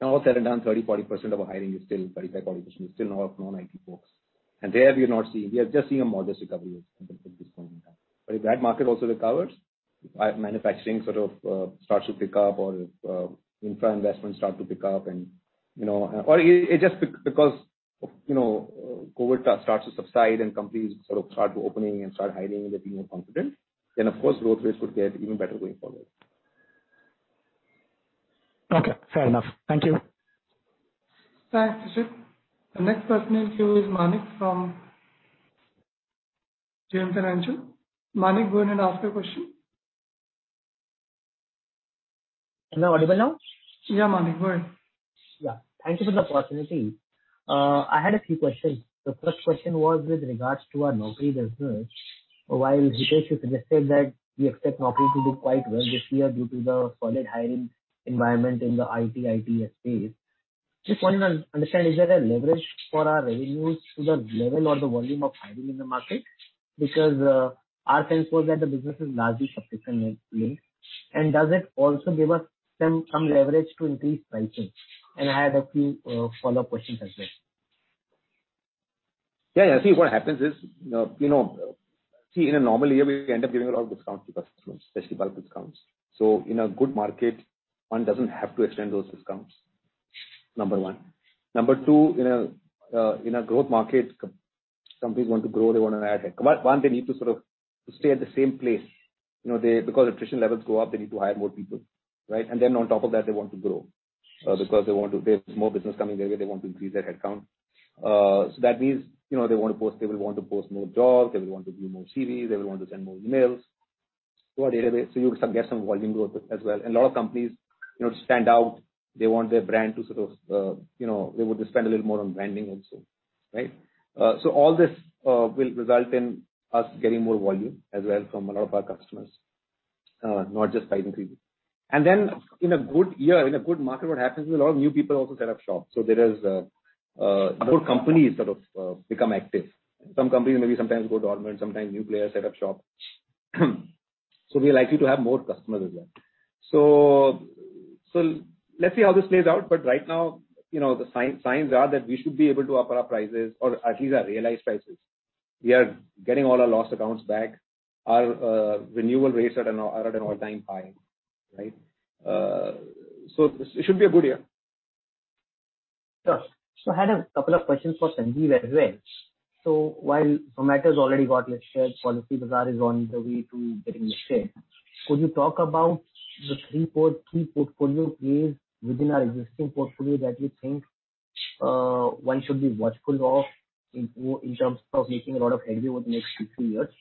now, all said and done, 30%-40% of our hiring is still 35%-40% is still of non-IT folks. There we have just seen a modest recovery at this point in time. If that market also recovers, manufacturing starts to pick up or infra investments start to pick up or it's just because COVID starts to subside and companies start reopening and start hiring and they're feeling more confident, then of course, growth rates would get even better going forward. Okay, fair enough. Thank you. Thanks, Rishit. The next person in queue is Manik from JM Financial. Manik, go ahead and ask your question. Am I audible now? Yeah, Manik. Thank you for the opportunity. I had a few questions. The first question was with regards to our Naukri business. Hitesh, you suggested that we expect Naukri to do quite well this year due to the solid hiring environment in the IT-ITES space. Just wanted to understand, is there a leverage for our revenues to the level or the volume of hiring in the market? Our sense was that the business is largely subscription-linked. Does it also give us some leverage to increase pricing? I had a few follow-up questions as well. Yeah. See, what happens is, in a normal year, we end up giving a lot of discounts to customers, especially bulk discounts. In a good market, one doesn't have to extend those discounts, number one. Number two, in a growth market, companies want to grow, they want to add headcount. One, they need to sort of stay at the same place. Attrition levels go up, they need to hire more people, right? On top of that, they want to grow because there's more business coming their way. They want to increase their headcount. That means they will want to post more jobs, they will want to view more CVs, they will want to send more emails to our database. You get some volume growth as well. A lot of companies, to stand out, they want their brand. They would spend a little more on branding also, right? All this will result in us getting more volume as well from a lot of our customers, not just price increase. In a good year, in a good market, what happens is a lot of new people also set up shop. There is more companies that have become active. Some companies maybe sometimes go dormant, sometimes new players set up shop. We're likely to have more customers as well. Let's see how this plays out. Right now, the signs are that we should be able to up our prices or at least our realized prices. We are getting all our lost accounts back. Our renewal rates are at an all-time high, right? It should be a good year. Sure. I had a couple of questions for Sanjeev as well. While Zomato's already got listed, Policybazaar is on the way to getting listed, could you talk about the three portfolio plays within our existing portfolio that you think one should be watchful of in terms of making a lot of money over the next few years?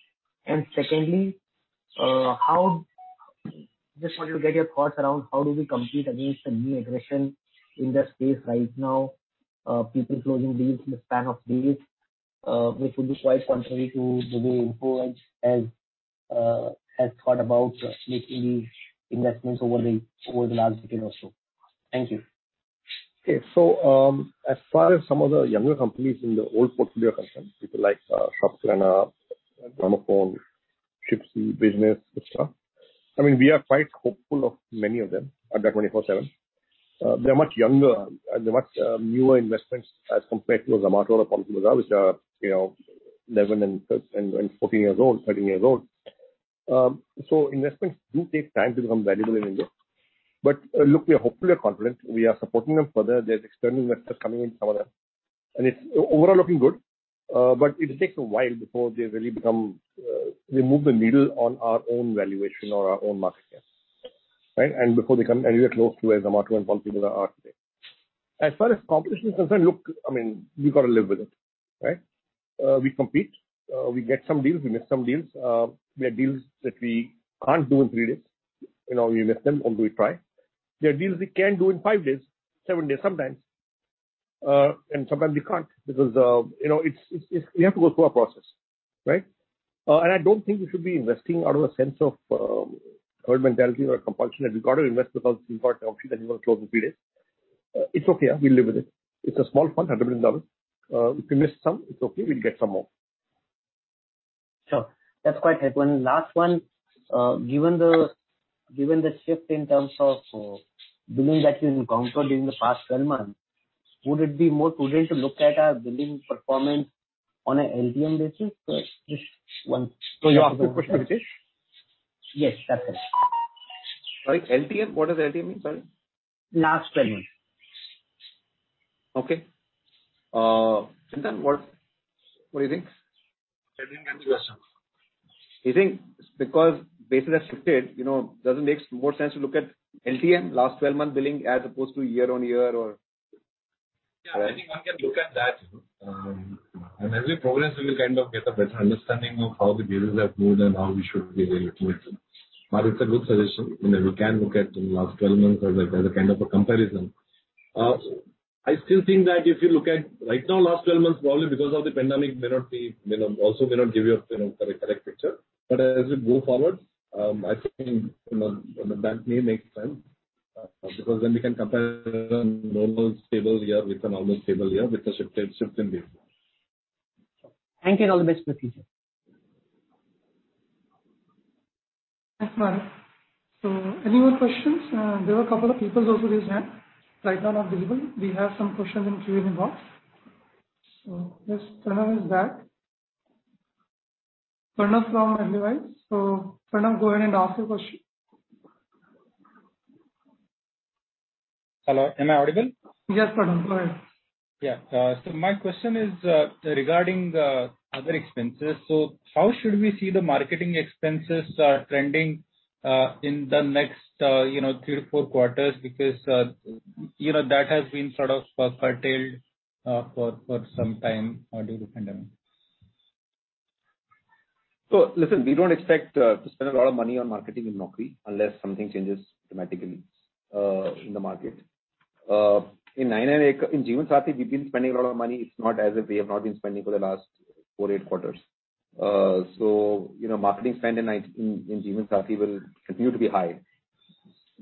Secondly, just wanted to get your thoughts around how do we compete against the new entrants in that space right now, people closing deals in the span of days, which would be quite contrary to the way Info Edge has thought about making investments over the last decade or so. Thank you. Okay. As far as some of the younger companies in the old portfolio are concerned, people like Shopkirana, Gramophone, Shipsy, etcetera. We are quite hopeful of many of them, Adda247. They're much younger and they're much newer investments as compared to a Zomato or Policybazaar, which are 11 and 14 years old, 13 years old. Investments do take time to become valuable in India. Look, we are hopefully confident. We are supporting them further. There's external investors coming in, some of them, and it's overall looking good. It takes a while before they move the needle on our own valuation or our own market cap, right? Before they come anywhere close to where Zomato and Policybazaar are today. As far as competition is concerned, look, we've got to live with it, right? We compete. We get some deals. We miss some deals. There are deals that we can't do in three days. We miss them or we try. There are deals we can do in five days, seven days sometimes. Sometimes we can't because we have to go through our process, right? I don't think we should be investing out of a sense of herd mentality or a compulsion that we've got to invest because we've got an option that we want to close in three days. It's okay. We live with it. It's a small fund, INR 100 million. If we miss some, it's okay, we'll get some more. Sure. That's quite helpful. Last one. Given the shift in terms of billing that we've encountered during the past 12 months, would it be more prudent to look at our billing performance on a LTM basis? You're asking a question, Hitesh? Yes, that's it. Sorry. LTM? What does LTM mean, sorry? Last 12 months. Okay. Chintan, what do you think? I didn't get the question. Do you think because bases have shifted, does it make more sense to look at LTM, last 12 months billing, as opposed to year-on-year or? Yeah, I think one can look at that. As we progress, we will kind of get a better understanding of how the deals have moved and how we should be able to move them. It's a good suggestion. We can look at the last 12 months as a kind of a comparison. I still think that if you look at right now, last 12 months volume because of the pandemic also may not give you a correct picture. As we go forward, I think that may make sense because then we can compare a normal stable year with a normal stable year with a shifted view. Thank you. All the best for the future. Thanks, Manik. Any more questions? There were a couple of people who also raised hand. Right now not visible. We have some questions in Q&A box. Yes, Pranav is back. Pranav from Edelweiss. Pranav, go ahead and ask your question. Hello, am I audible? Yes, Pranav, go ahead. Yeah. My question is regarding the other expenses. How should we see the marketing expenses trending in the next three to four quarters? Because that has been sort of curtailed for some time now due to the pandemic. Listen, we don't expect to spend a lot of money on marketing in Naukri unless something changes dramatically in the market. In Jeevansathi, we've been spending a lot of money. It's not as if we have not been spending for the last four to eight quarters. Marketing spend in Jeevansathi will continue to be high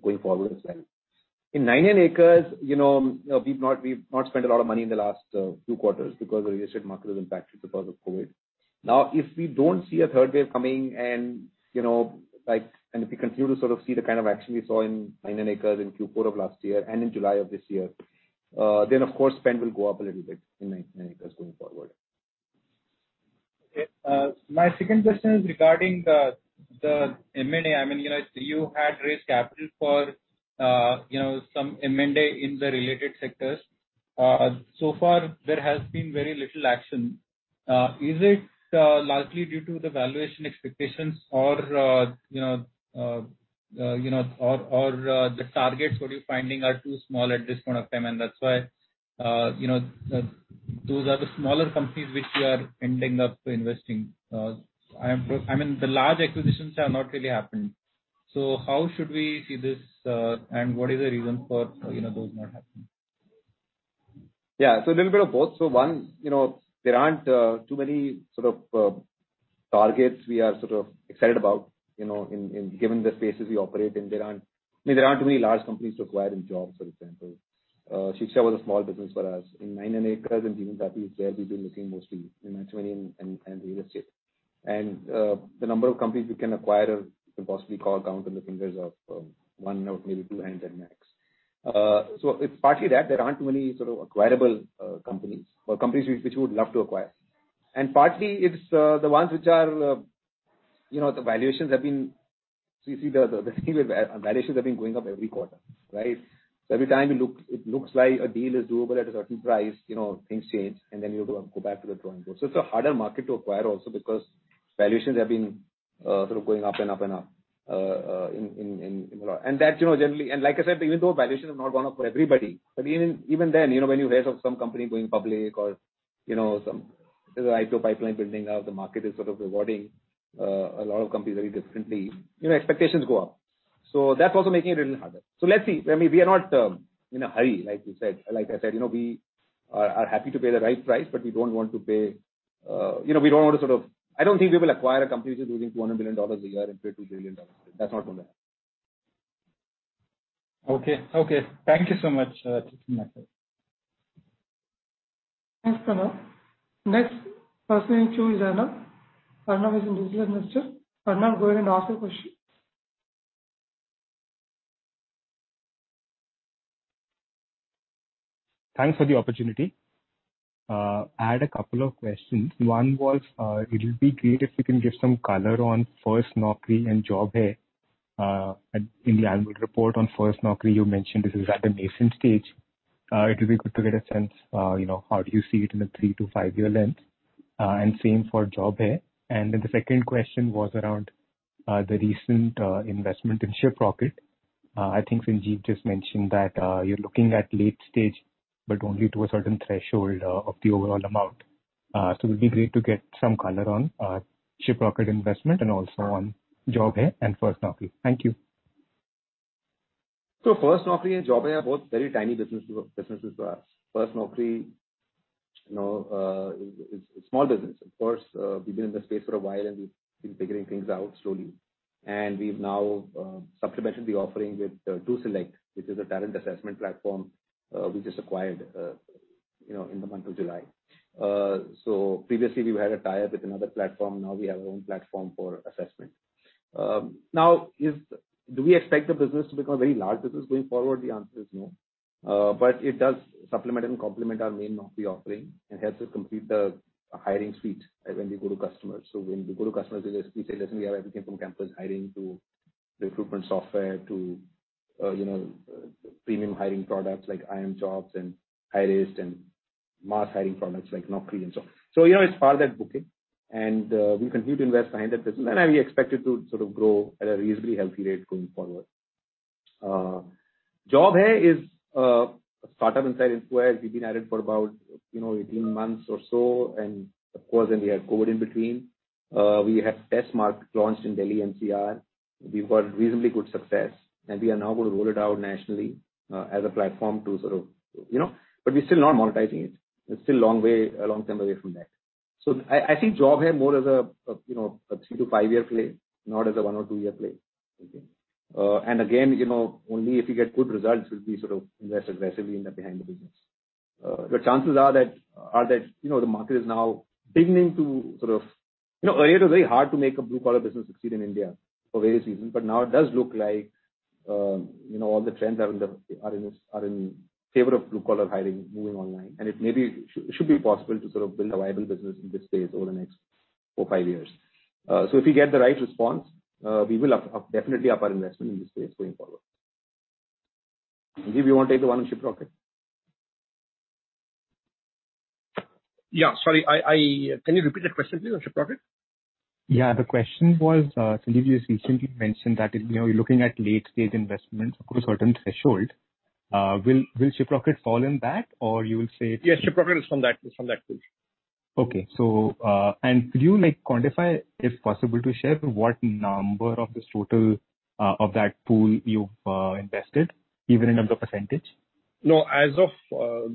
going forward as well. In 99acres, we've not spent a lot of money in the last two quarters because the real estate market is impacted because of COVID. If we don't see a third wave coming and if we continue to sort of see the kind of action we saw in 99acres in Q4 of last year and in July of this year then, of course, spend will go up a little bit in 99acres going forward. Okay. My second question is regarding the M&A. You had raised capital for some M&A in the related sectors. Far there has been very little action. Is it largely due to the valuation expectations or the targets what you're finding are too small at this point of time and that's why those are the smaller companies which you are ending up investing? The large acquisitions have not really happened. How should we see this? What is the reason for those not happening? Yeah. A little bit of both. One, there aren't too many sort of targets we are sort of excited about given the spaces we operate in. There aren't too many large companies to acquire in jobs, for example. Shiksha was a small business for us. In 99acres and Jeevansathi, there we've been looking mostly in matrimonial and real estate. The number of companies we can acquire, you can possibly count on the fingers of one or maybe two hands at max. It's partly that there aren't too many sort of acquirable companies or companies which we would love to acquire. Partly it's the ones which the valuations have been going up every quarter, right? Every time it looks like a deal is doable at a certain price, things change and then you go back to the drawing board. It's a harder market to acquire also because valuations have been sort of going up and up and up in a lot. Like I said, even though valuations have not gone up for everybody, but even then when you hear of some company going public or some IPO pipeline building out, the market is sort of rewarding a lot of companies very differently, expectations go up. That's also making it a little harder. Let's see. We are not in a hurry, like I said. We are happy to pay the right price, but I don't think we will acquire a company which is losing INR 200 billion a year compared to billion dollars. That's not going to happen. Okay. Thank you so much. Thanks, Pranav. Next person in queue is Arnav. Arnav is an institutional investor. Arnav, go ahead and ask your question. Thanks for the opportunity. I had a couple of questions. One was, it'll be great if you can give some color on FirstNaukri and Job Hai. In the annual report on FirstNaukri, you mentioned this is at the nascent stage. It'll be good to get a sense how do you see it in a 3 to 5-year lens? Same for Job Hai. The second question was around the recent investment in Shiprocket. I think Sanjeev just mentioned that you're looking at late stage, but only to a certain threshold of the overall amount. It'll be great to get some color on Shiprocket investment and also on Job Hai and FirstNaukri. Thank you. FirstNaukri and Job Hai are both very tiny businesses to us. FirstNaukri is a small business. Of course, we've been in the space for a while and we've been figuring things out slowly. We've now supplemented the offering with DoSelect, which is a talent assessment platform we just acquired in the month of July. Previously we had a tie-up with another platform. Now we have our own platform for assessment. Now, do we expect the business to become a very large business going forward? The answer is no. It does supplement and complement our main Naukri offering and helps us complete the hiring suite when we go to customers. When we go to customers, we say, "Listen, we have everything from campus hiring to recruitment software to premium hiring products like IIMJOBS and Hirist and mass hiring products like Naukri and so on." It's part of that bouquet and we continue to invest behind that business and we expect it to sort of grow at a reasonably healthy rate going forward. Job Hai is a startup inside Info Edge. We've been at it for about 18 months or so and of course, then we had COVID in between. We have test market launched in Delhi NCR. We've got reasonably good success and we are now going to roll it out nationally as a platform. We're still not monetizing it. It's still a long time away from that. I think Job Hai more as a 3-5 year play, not as a one or year-year play. Okay. Again, only if we get good results will we sort of invest aggressively behind the business. Earlier it was very hard to make a blue collar business succeed in India for various reasons. Now it does look like all the trends are in favor of blue collar hiring moving online and it maybe should be possible to sort of build a viable business in this space over the next four, five years. If we get the right response, we will definitely up our investment in this space going forward. Sanjeev, you want to take the one on Shiprocket? Yeah. Sorry. Can you repeat the question please on Shiprocket? Yeah. The question was, Sanjeev, you recently mentioned that you're looking at late-stage investments up to a certain threshold. Will Shiprocket fall in that? Yes, Shiprocket is from that pool. Okay. Could you quantify, if possible to share, what number of that pool you've invested, even in number percentage? No. As of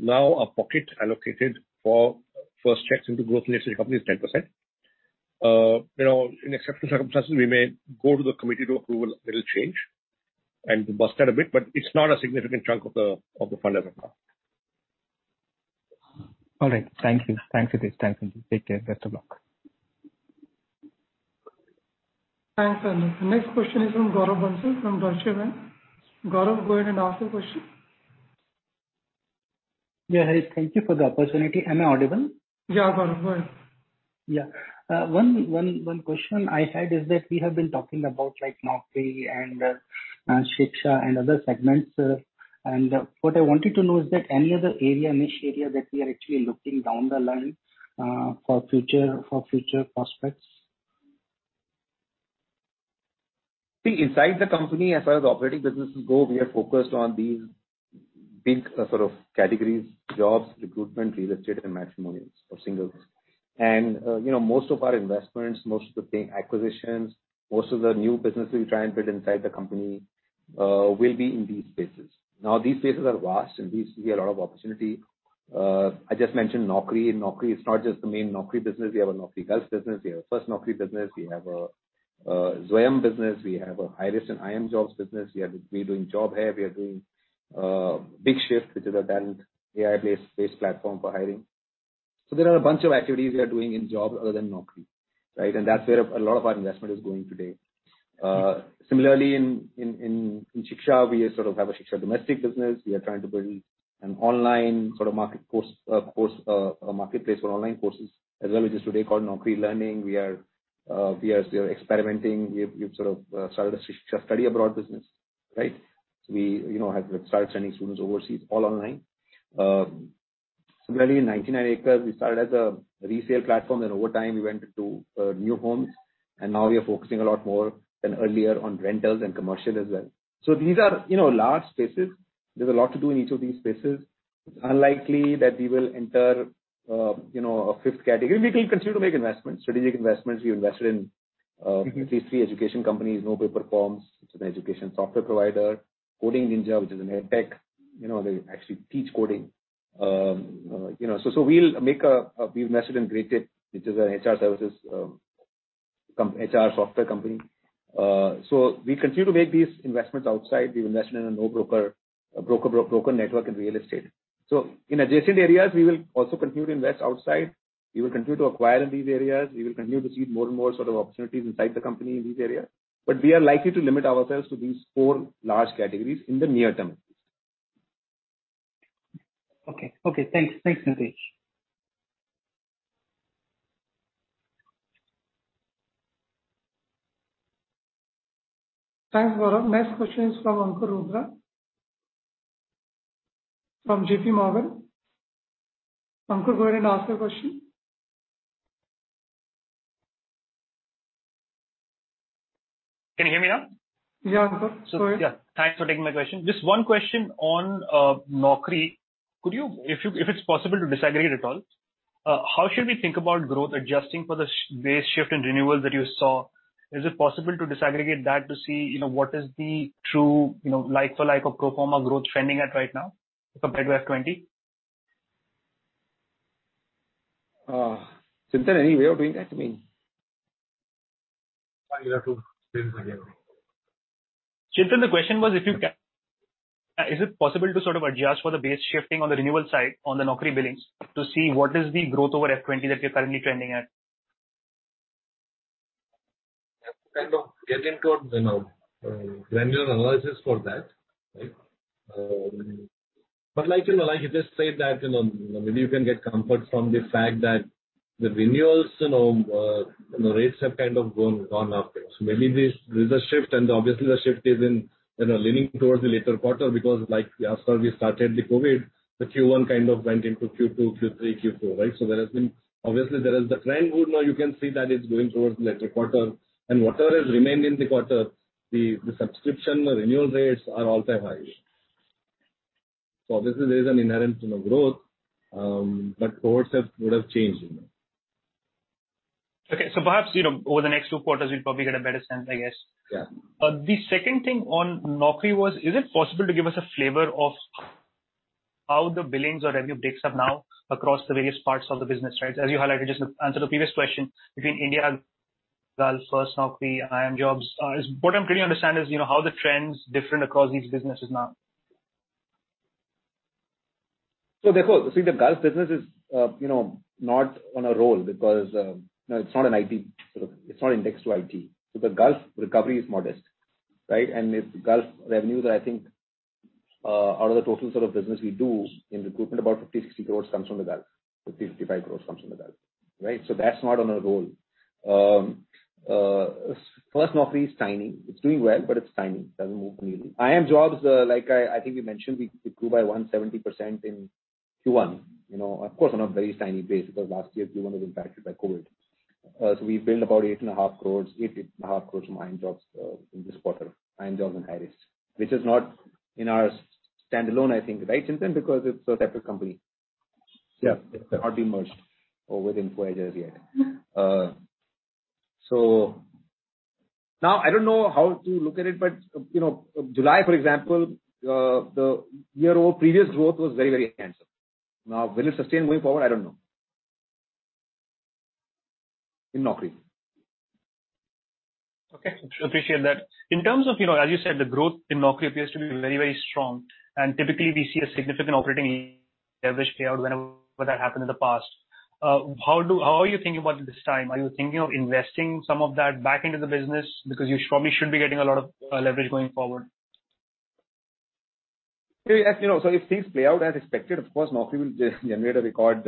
now, our pocket allocated for first checks into growth-related company is 10%. In exceptional circumstances, we may go to the committee to approve a little change and bust that a bit, but it's not a significant chunk of the fund as of now. All right. Thank you. Thanks, Hitesh. Take care. Best of luck. Thanks, Anand. Next question is from Gaurav Bansal from Deutsche Bank. Gaurav, go ahead and ask your question. Yeah, Hitesh, thank you for the opportunity. Am I audible? Yeah, Gaurav. Go ahead. Yeah. One question I had is that we have been talking about Naukri and Shiksha and other segments. What I wanted to know is that any other niche area that we are actually looking down the line for future prospects? Inside the company, as far as operating businesses go, we are focused on these big sort of categories, jobs, recruitment, real estate, and matrimonials for singles. Most of our investments, most of the acquisitions, most of the new businesses we try and build inside the company will be in these spaces. These spaces are vast, and we see a lot of opportunity. I just mentioned Naukri, and Naukri is not just the main Naukri business. We have a Naukri Gulf business. We have a FirstNaukri business. We have a Zwayam business. We have a Hirist and IIMJOBS business. We are doing Job Hai. We are doing BigShyft, which is a talent AI-based platform for hiring. There are a bunch of activities we are doing in jobs other than Naukri. Right? That's where a lot of our investment is going today. Similarly, in Shiksha, we sort of have a Shiksha domestic business. We are trying to build an online sort of marketplace for online courses, as well as this today called Naukri Learning. We are experimenting. We've sort of started a Shiksha Study Abroad business. Right? We have started sending students overseas all online. Similarly, in 99acres, we started as a resale platform, and over time we went into new homes, and now we are focusing a lot more than earlier on rentals and commercial as well. These are large spaces. There's a lot to do in each of these spaces. It's unlikely that we will enter a fifth category. We will continue to make investments, strategic investments. We invested in these three education companies, NoPaperForms, it's an education software provider. Coding Ninjas, which is an ed-tech. They actually teach coding. We've invested in Greytip, which is an HR services, HR software company. We continue to make these investments outside. We've invested in a broker network in real estate. In adjacent areas, we will also continue to invest outside. We will continue to acquire in these areas. We will continue to see more and more sort of opportunities inside the company in these areas. We are likely to limit ourselves to these four large categories in the near term, at least. Okay. Thanks, Hitesh. Thanks, Gaurav. Next question is from Ankur Rudra from JPMorgan. Ankur, go ahead and ask your question. Can you hear me now? Yeah, Ankur. Go ahead. Yeah. Thanks for taking my question. Just one question on Naukri. If it's possible to disaggregate at all, how should we think about growth adjusting for the base shift and renewals that you saw? Is it possible to disaggregate that to see what is the true like for like of pro forma growth trending at right now compared to FY 2020? Chintan, any way of doing that? Please repeat the question once. Chintan, the question was, is it possible to sort of adjust for the base shifting on the renewal side on the Naukri billings to see what is the growth over FY 2020 that we are currently trending at? We have to kind of get into a granular analysis for that, right? Like he just said that maybe you can get comfort from the fact that the renewals rates have kind of gone upwards. Maybe there's a shift, obviously the shift is leaning towards the later quarter because after we started the COVID, the Q1 kind of went into Q2, Q3, Q4, right? Obviously there is the trend, good. Now you can see that it's going towards later quarter, whatever has remained in the quarter, the subscription renewal rates are all-time high. Obviously, there is an inherent growth, cohorts would have changed. Okay. Perhaps, over the next two quarters, we'll probably get a better sense, I guess. Yeah. The second thing on Naukri was, is it possible to give us a flavor of how the billings or revenue breaks up now across the various parts of the business, right? As you highlighted just now to the previous question, between India and Gulf, FirstNaukri, IIMJOBS. What I'm trying to understand is how the trend's different across these businesses now. Of course, see, the Gulf business is not on a roll because it's not indexed to IT. The Gulf recovery is modest. Right? With Gulf revenue that I think out of the total sort of business we do in recruitment, about 50 crore-60 crore comes from the Gulf. 50 crore-55 crore comes from the Gulf. Right? That's not on a roll. Firstnaukri is tiny. It's doing well, but it's tiny. Doesn't move the needle. IIMJOBS, like I think we mentioned, we grew by 170% in Q1. Of course, on a very tiny base because last year Q1 was impacted by COVID. We billed about 8.5 crore from IIMJOBS in this quarter, IIMJOBS and Hirist, which is not in our standalone, I think, right, Chintan? Because it's a separate company. Yeah. It's not been merged within Info Edge as yet. I don't know how to look at it, but July, for example, the year over previous growth was very handsome. Will it sustain going forward? I don't know in Naukri. Okay. Appreciate that. In terms of, as you said, the growth in Naukri appears to be very strong. Typically we see a significant operating leverage payout whenever that happened in the past. How are you thinking about it this time? Are you thinking of investing some of that back into the business? You probably should be getting a lot of leverage going forward. If things play out as expected, of course, Naukri will generate a record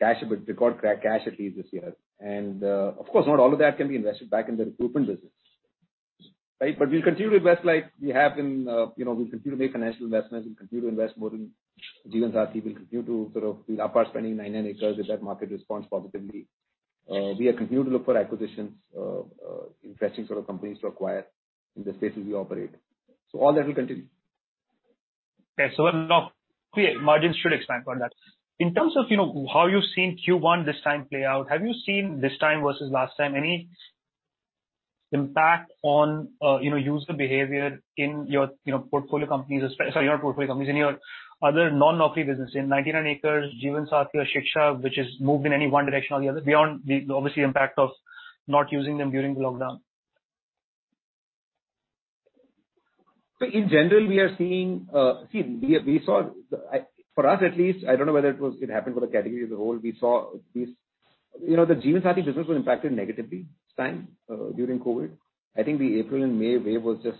cash at least this year. Of course, not all of that can be invested back in the recruitment business. Right? We'll continue to invest like we have been. We'll continue to make financial investments. We'll continue to invest more in Jeevansathi. We'll up our spending in 99acres if that market responds positively. We are continuing to look for acquisitions, interesting sort of companies to acquire in the spaces we operate. All that will continue. Okay. Naukri margins should expand on that. In terms of how you're seeing Q1 this time play out, have you seen this time versus last time any impact on user behavior in your portfolio companies, sorry, your portfolio companies, in your other non-Naukri business, in 99acres, Jeevansathi, Shiksha, which has moved in any one direction or the other, beyond the obviously impact of not using them during the lockdown? In general, for us at least, I don't know whether it happened for the category as a whole. The Jeevansathi.com business was impacted negatively this time during COVID. I think the April and May wave was just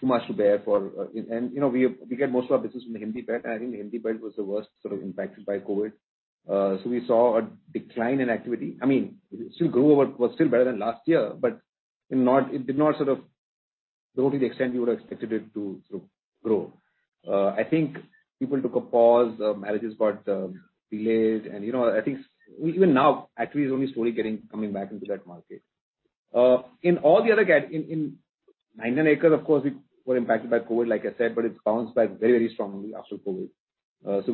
too much to bear. We get most of our business from the Hindi belt, and I think the Hindi belt was the worst impacted by COVID. We saw a decline in activity. I mean, it still grew, was still better than last year, but it did not grow to the extent you would have expected it to grow. I think people took a pause. Marriages got delayed. I think even now, activity is only slowly coming back into that market. In 99acres, of course, we were impacted by COVID, like I said, but it's bounced back very strongly after COVID.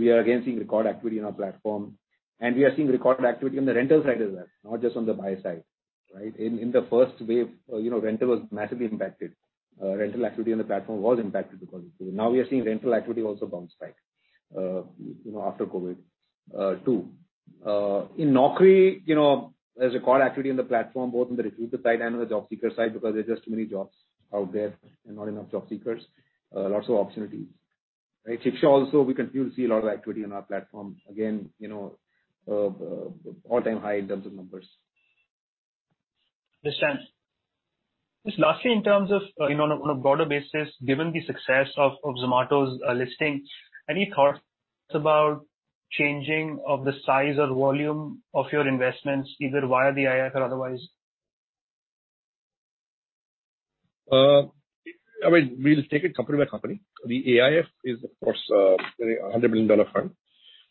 We are again seeing record activity on our platform, and we are seeing record activity on the rental side as well, not just on the buy side. Right? In the first wave, rental was massively impacted. Rental activity on the platform was impacted because of COVID. Now we are seeing rental activity also bounce back after COVID too. In Naukri, there's record activity on the platform, both on the recruiter side and on the job seeker side, because there are just too many jobs out there and not enough job seekers. Lots of opportunities. Right? Shiksha also, we continue to see a lot of activity on our platform. Again, all-time high in terms of numbers. Understood. Just lastly, in terms of on a broader basis, given the success of Zomato's listing, any thoughts about changing of the size or volume of your investments, either via the AIF or otherwise? I mean, we'll take it company by company. The AIF is, of course, an INR 100 million fund.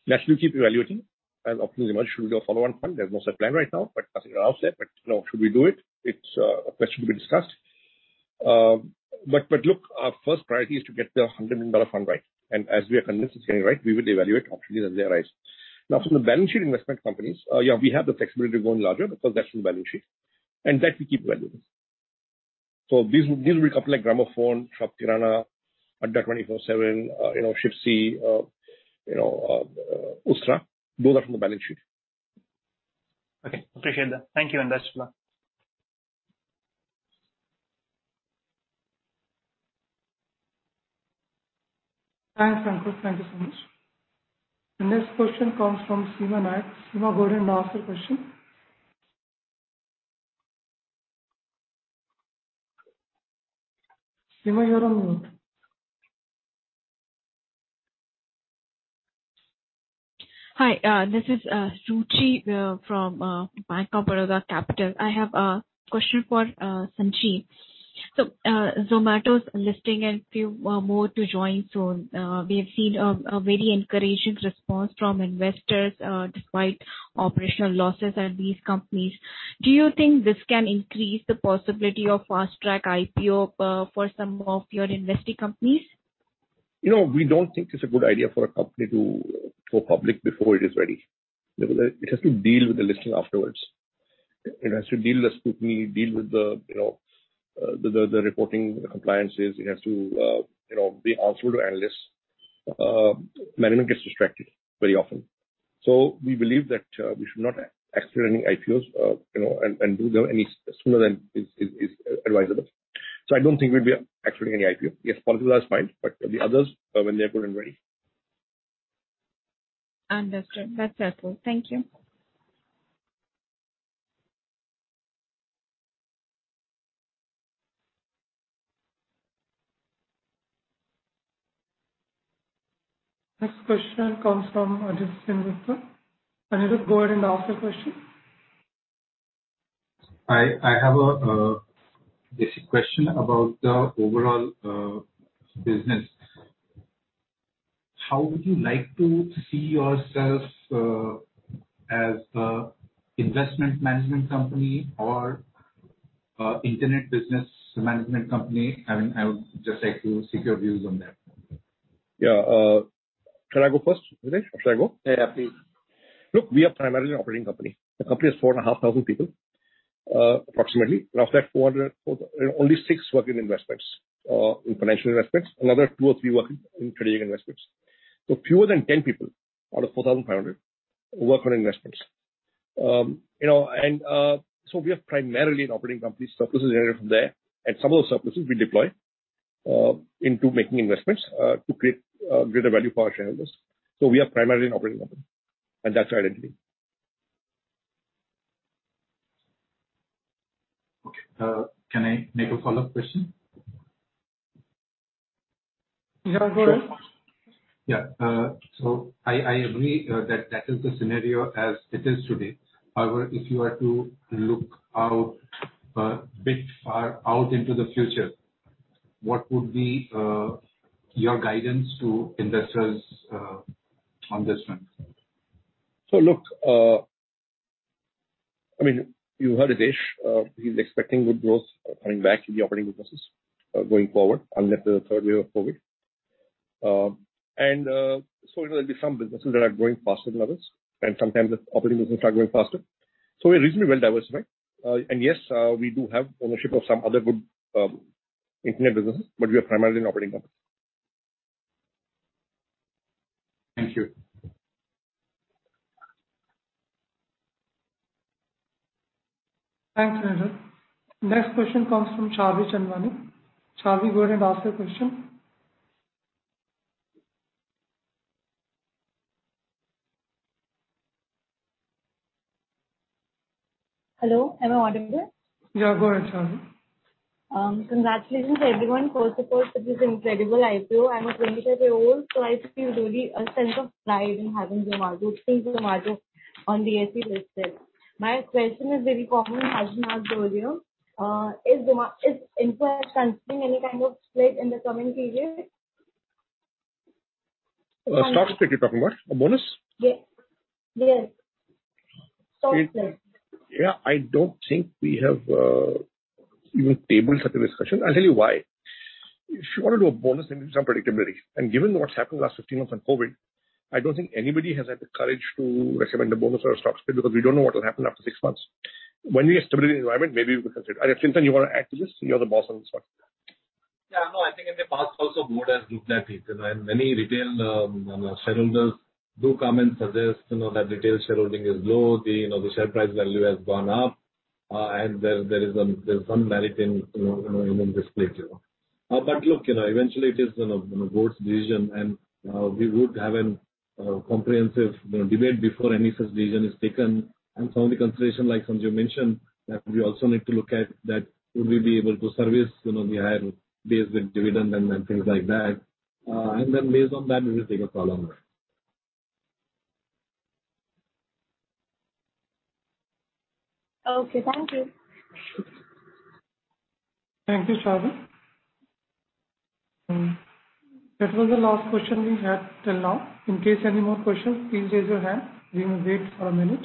That we'll keep evaluating, and opportunities emerge, there should be a follow-on fund. There's no set plan right now, as Rahul said, but should we do it? It's a question to be discussed. Look, our first priority is to get the INR 100 million fund right, and as we are convinced it's getting right, we would evaluate opportunities as they arise. Now, from the balance sheet investment companies, yeah, we have the flexibility to go in larger because that's from the balance sheet, and that we keep evaluating. These will be company like Gramophone, Shopkirana, Adda247, Shipsy, Ustraa. Those are from the balance sheet. Okay. Appreciate that. Thank you, and best of luck. Thanks, Ankur. Thank you so much. The next question comes from Seema Naik. Seema, go ahead and ask your question. Seema, you're on mute. Hi. This is Ruchi from Bank of Baroda Capital. I have a question for Sanjeev. Zomato's listing a few more to join soon. We have seen a very encouraging response from investors despite operational losses at these companies. Do you think this can increase the possibility of fast-track IPO for some of your investee companies? We don't think it's a good idea for a company to go public before it is ready. It has to deal with the listing afterwards. It has to deal with the scrutiny, deal with the reporting compliances. It has to be answerable to analysts. Management gets distracted very often. We believe that we should not accelerate any IPOs and do them any sooner than is advisable. I don't think we'll be accelerating any IPO. Yes, Policybazaar is fine, but the others, when they're good and ready. Understood. That's helpful. Thank you. Next question comes from Anirudh Sengupta. Anirudh, go ahead and ask your question. I have a basic question about the overall business. How would you like to see yourself, as an investment management company or internet business management company? I would just like to seek your views on that. Yeah. Should I go first, Hitesh? Should I go? Yeah, please. Look, we are primarily an operating company. The company has 4,500 people, approximately. Of that 400, only six work in investments, in financial investments. Another two or three work in trading investments. Fewer than 10 people out of 4,500 work on investments. We are primarily an operating company. Surpluses generated from there, and some of the surpluses we deploy into making investments to create greater value for our shareholders. We are primarily an operating company, and that's our identity. Okay. Can I make a follow-up question? Yeah, go ahead. Yeah. I agree that is the scenario as it is today. However, if you are to look out a bit far out into the future, what would be your guidance to investors on this front? Look, you heard Hitesh. He's expecting good growth coming back in the operating businesses going forward unless there's a third wave of COVID. There'll be some businesses that are growing faster than others and sometimes the operating businesses are growing faster. We're reasonably well-diversified. Yes, we do have ownership of some other good internet businesses, but we are primarily an operating company. Thank you. Thanks, Neeraj. Next question comes from Charvi Chandwani. Charvi, go ahead and ask your question. Hello, am I audible? Yeah, go ahead, Charvi. Congratulations everyone. First of all, it is incredible IPO. I'm a 25-year-old, so I feel really a sense of pride in having Zomato, seeing Zomato on the BSE listed. My question is very common, as Sanjeev told you. Is Info Edge considering any kind of split in the coming period? A stock split, you're talking about? A bonus? Yes. Stock split. Yeah, I don't think we have even tabled such a discussion. I'll tell you why. If you want to do a bonus, you need some predictability. Given what's happened the last 15 months on COVID, I don't think anybody has had the courage to recommend a bonus or a stock split because we don't know what will happen after six months. When we have stability in the environment, maybe we could consider it. Chintan, you want to add to this? You're the boss on this one. Yeah, no, I think in the past also, Board has looked at it, many retail shareholders do come and suggest that retail shareholding is low, the share price value has gone up, there's some merit in this split. Look, eventually it is the Board's decision, we would have a comprehensive debate before any such decision is taken. Some of the consideration, like Sanjeev mentioned, that we also need to look at that would we be able to service the higher base with dividend and things like that. Based on that, we will take a call on that. Okay. Thank you. Thank you, Charvi. That was the last question we had till now. In case any more questions, please raise your hand. We will wait for a minute.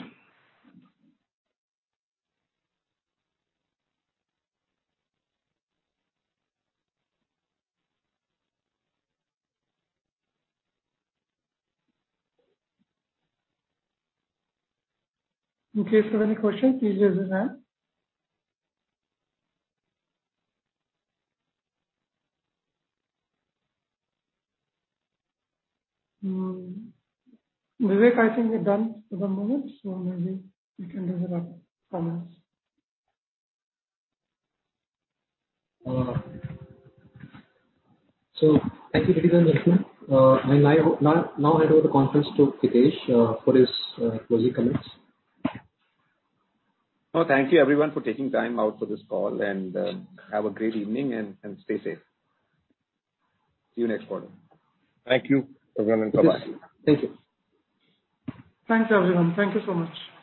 In case you have any questions, please raise your hand. Vivek, I think we're done for the moment, so maybe you can give your comments. Thank you very much, everyone. I now hand over the conference to Hitesh for his closing comments. No, thank you everyone for taking time out for this call, and have a great evening and stay safe. See you next quarter. Thank you. Have a good one. Bye-bye. Yes. Thank you. Thanks, everyone. Thank you so much.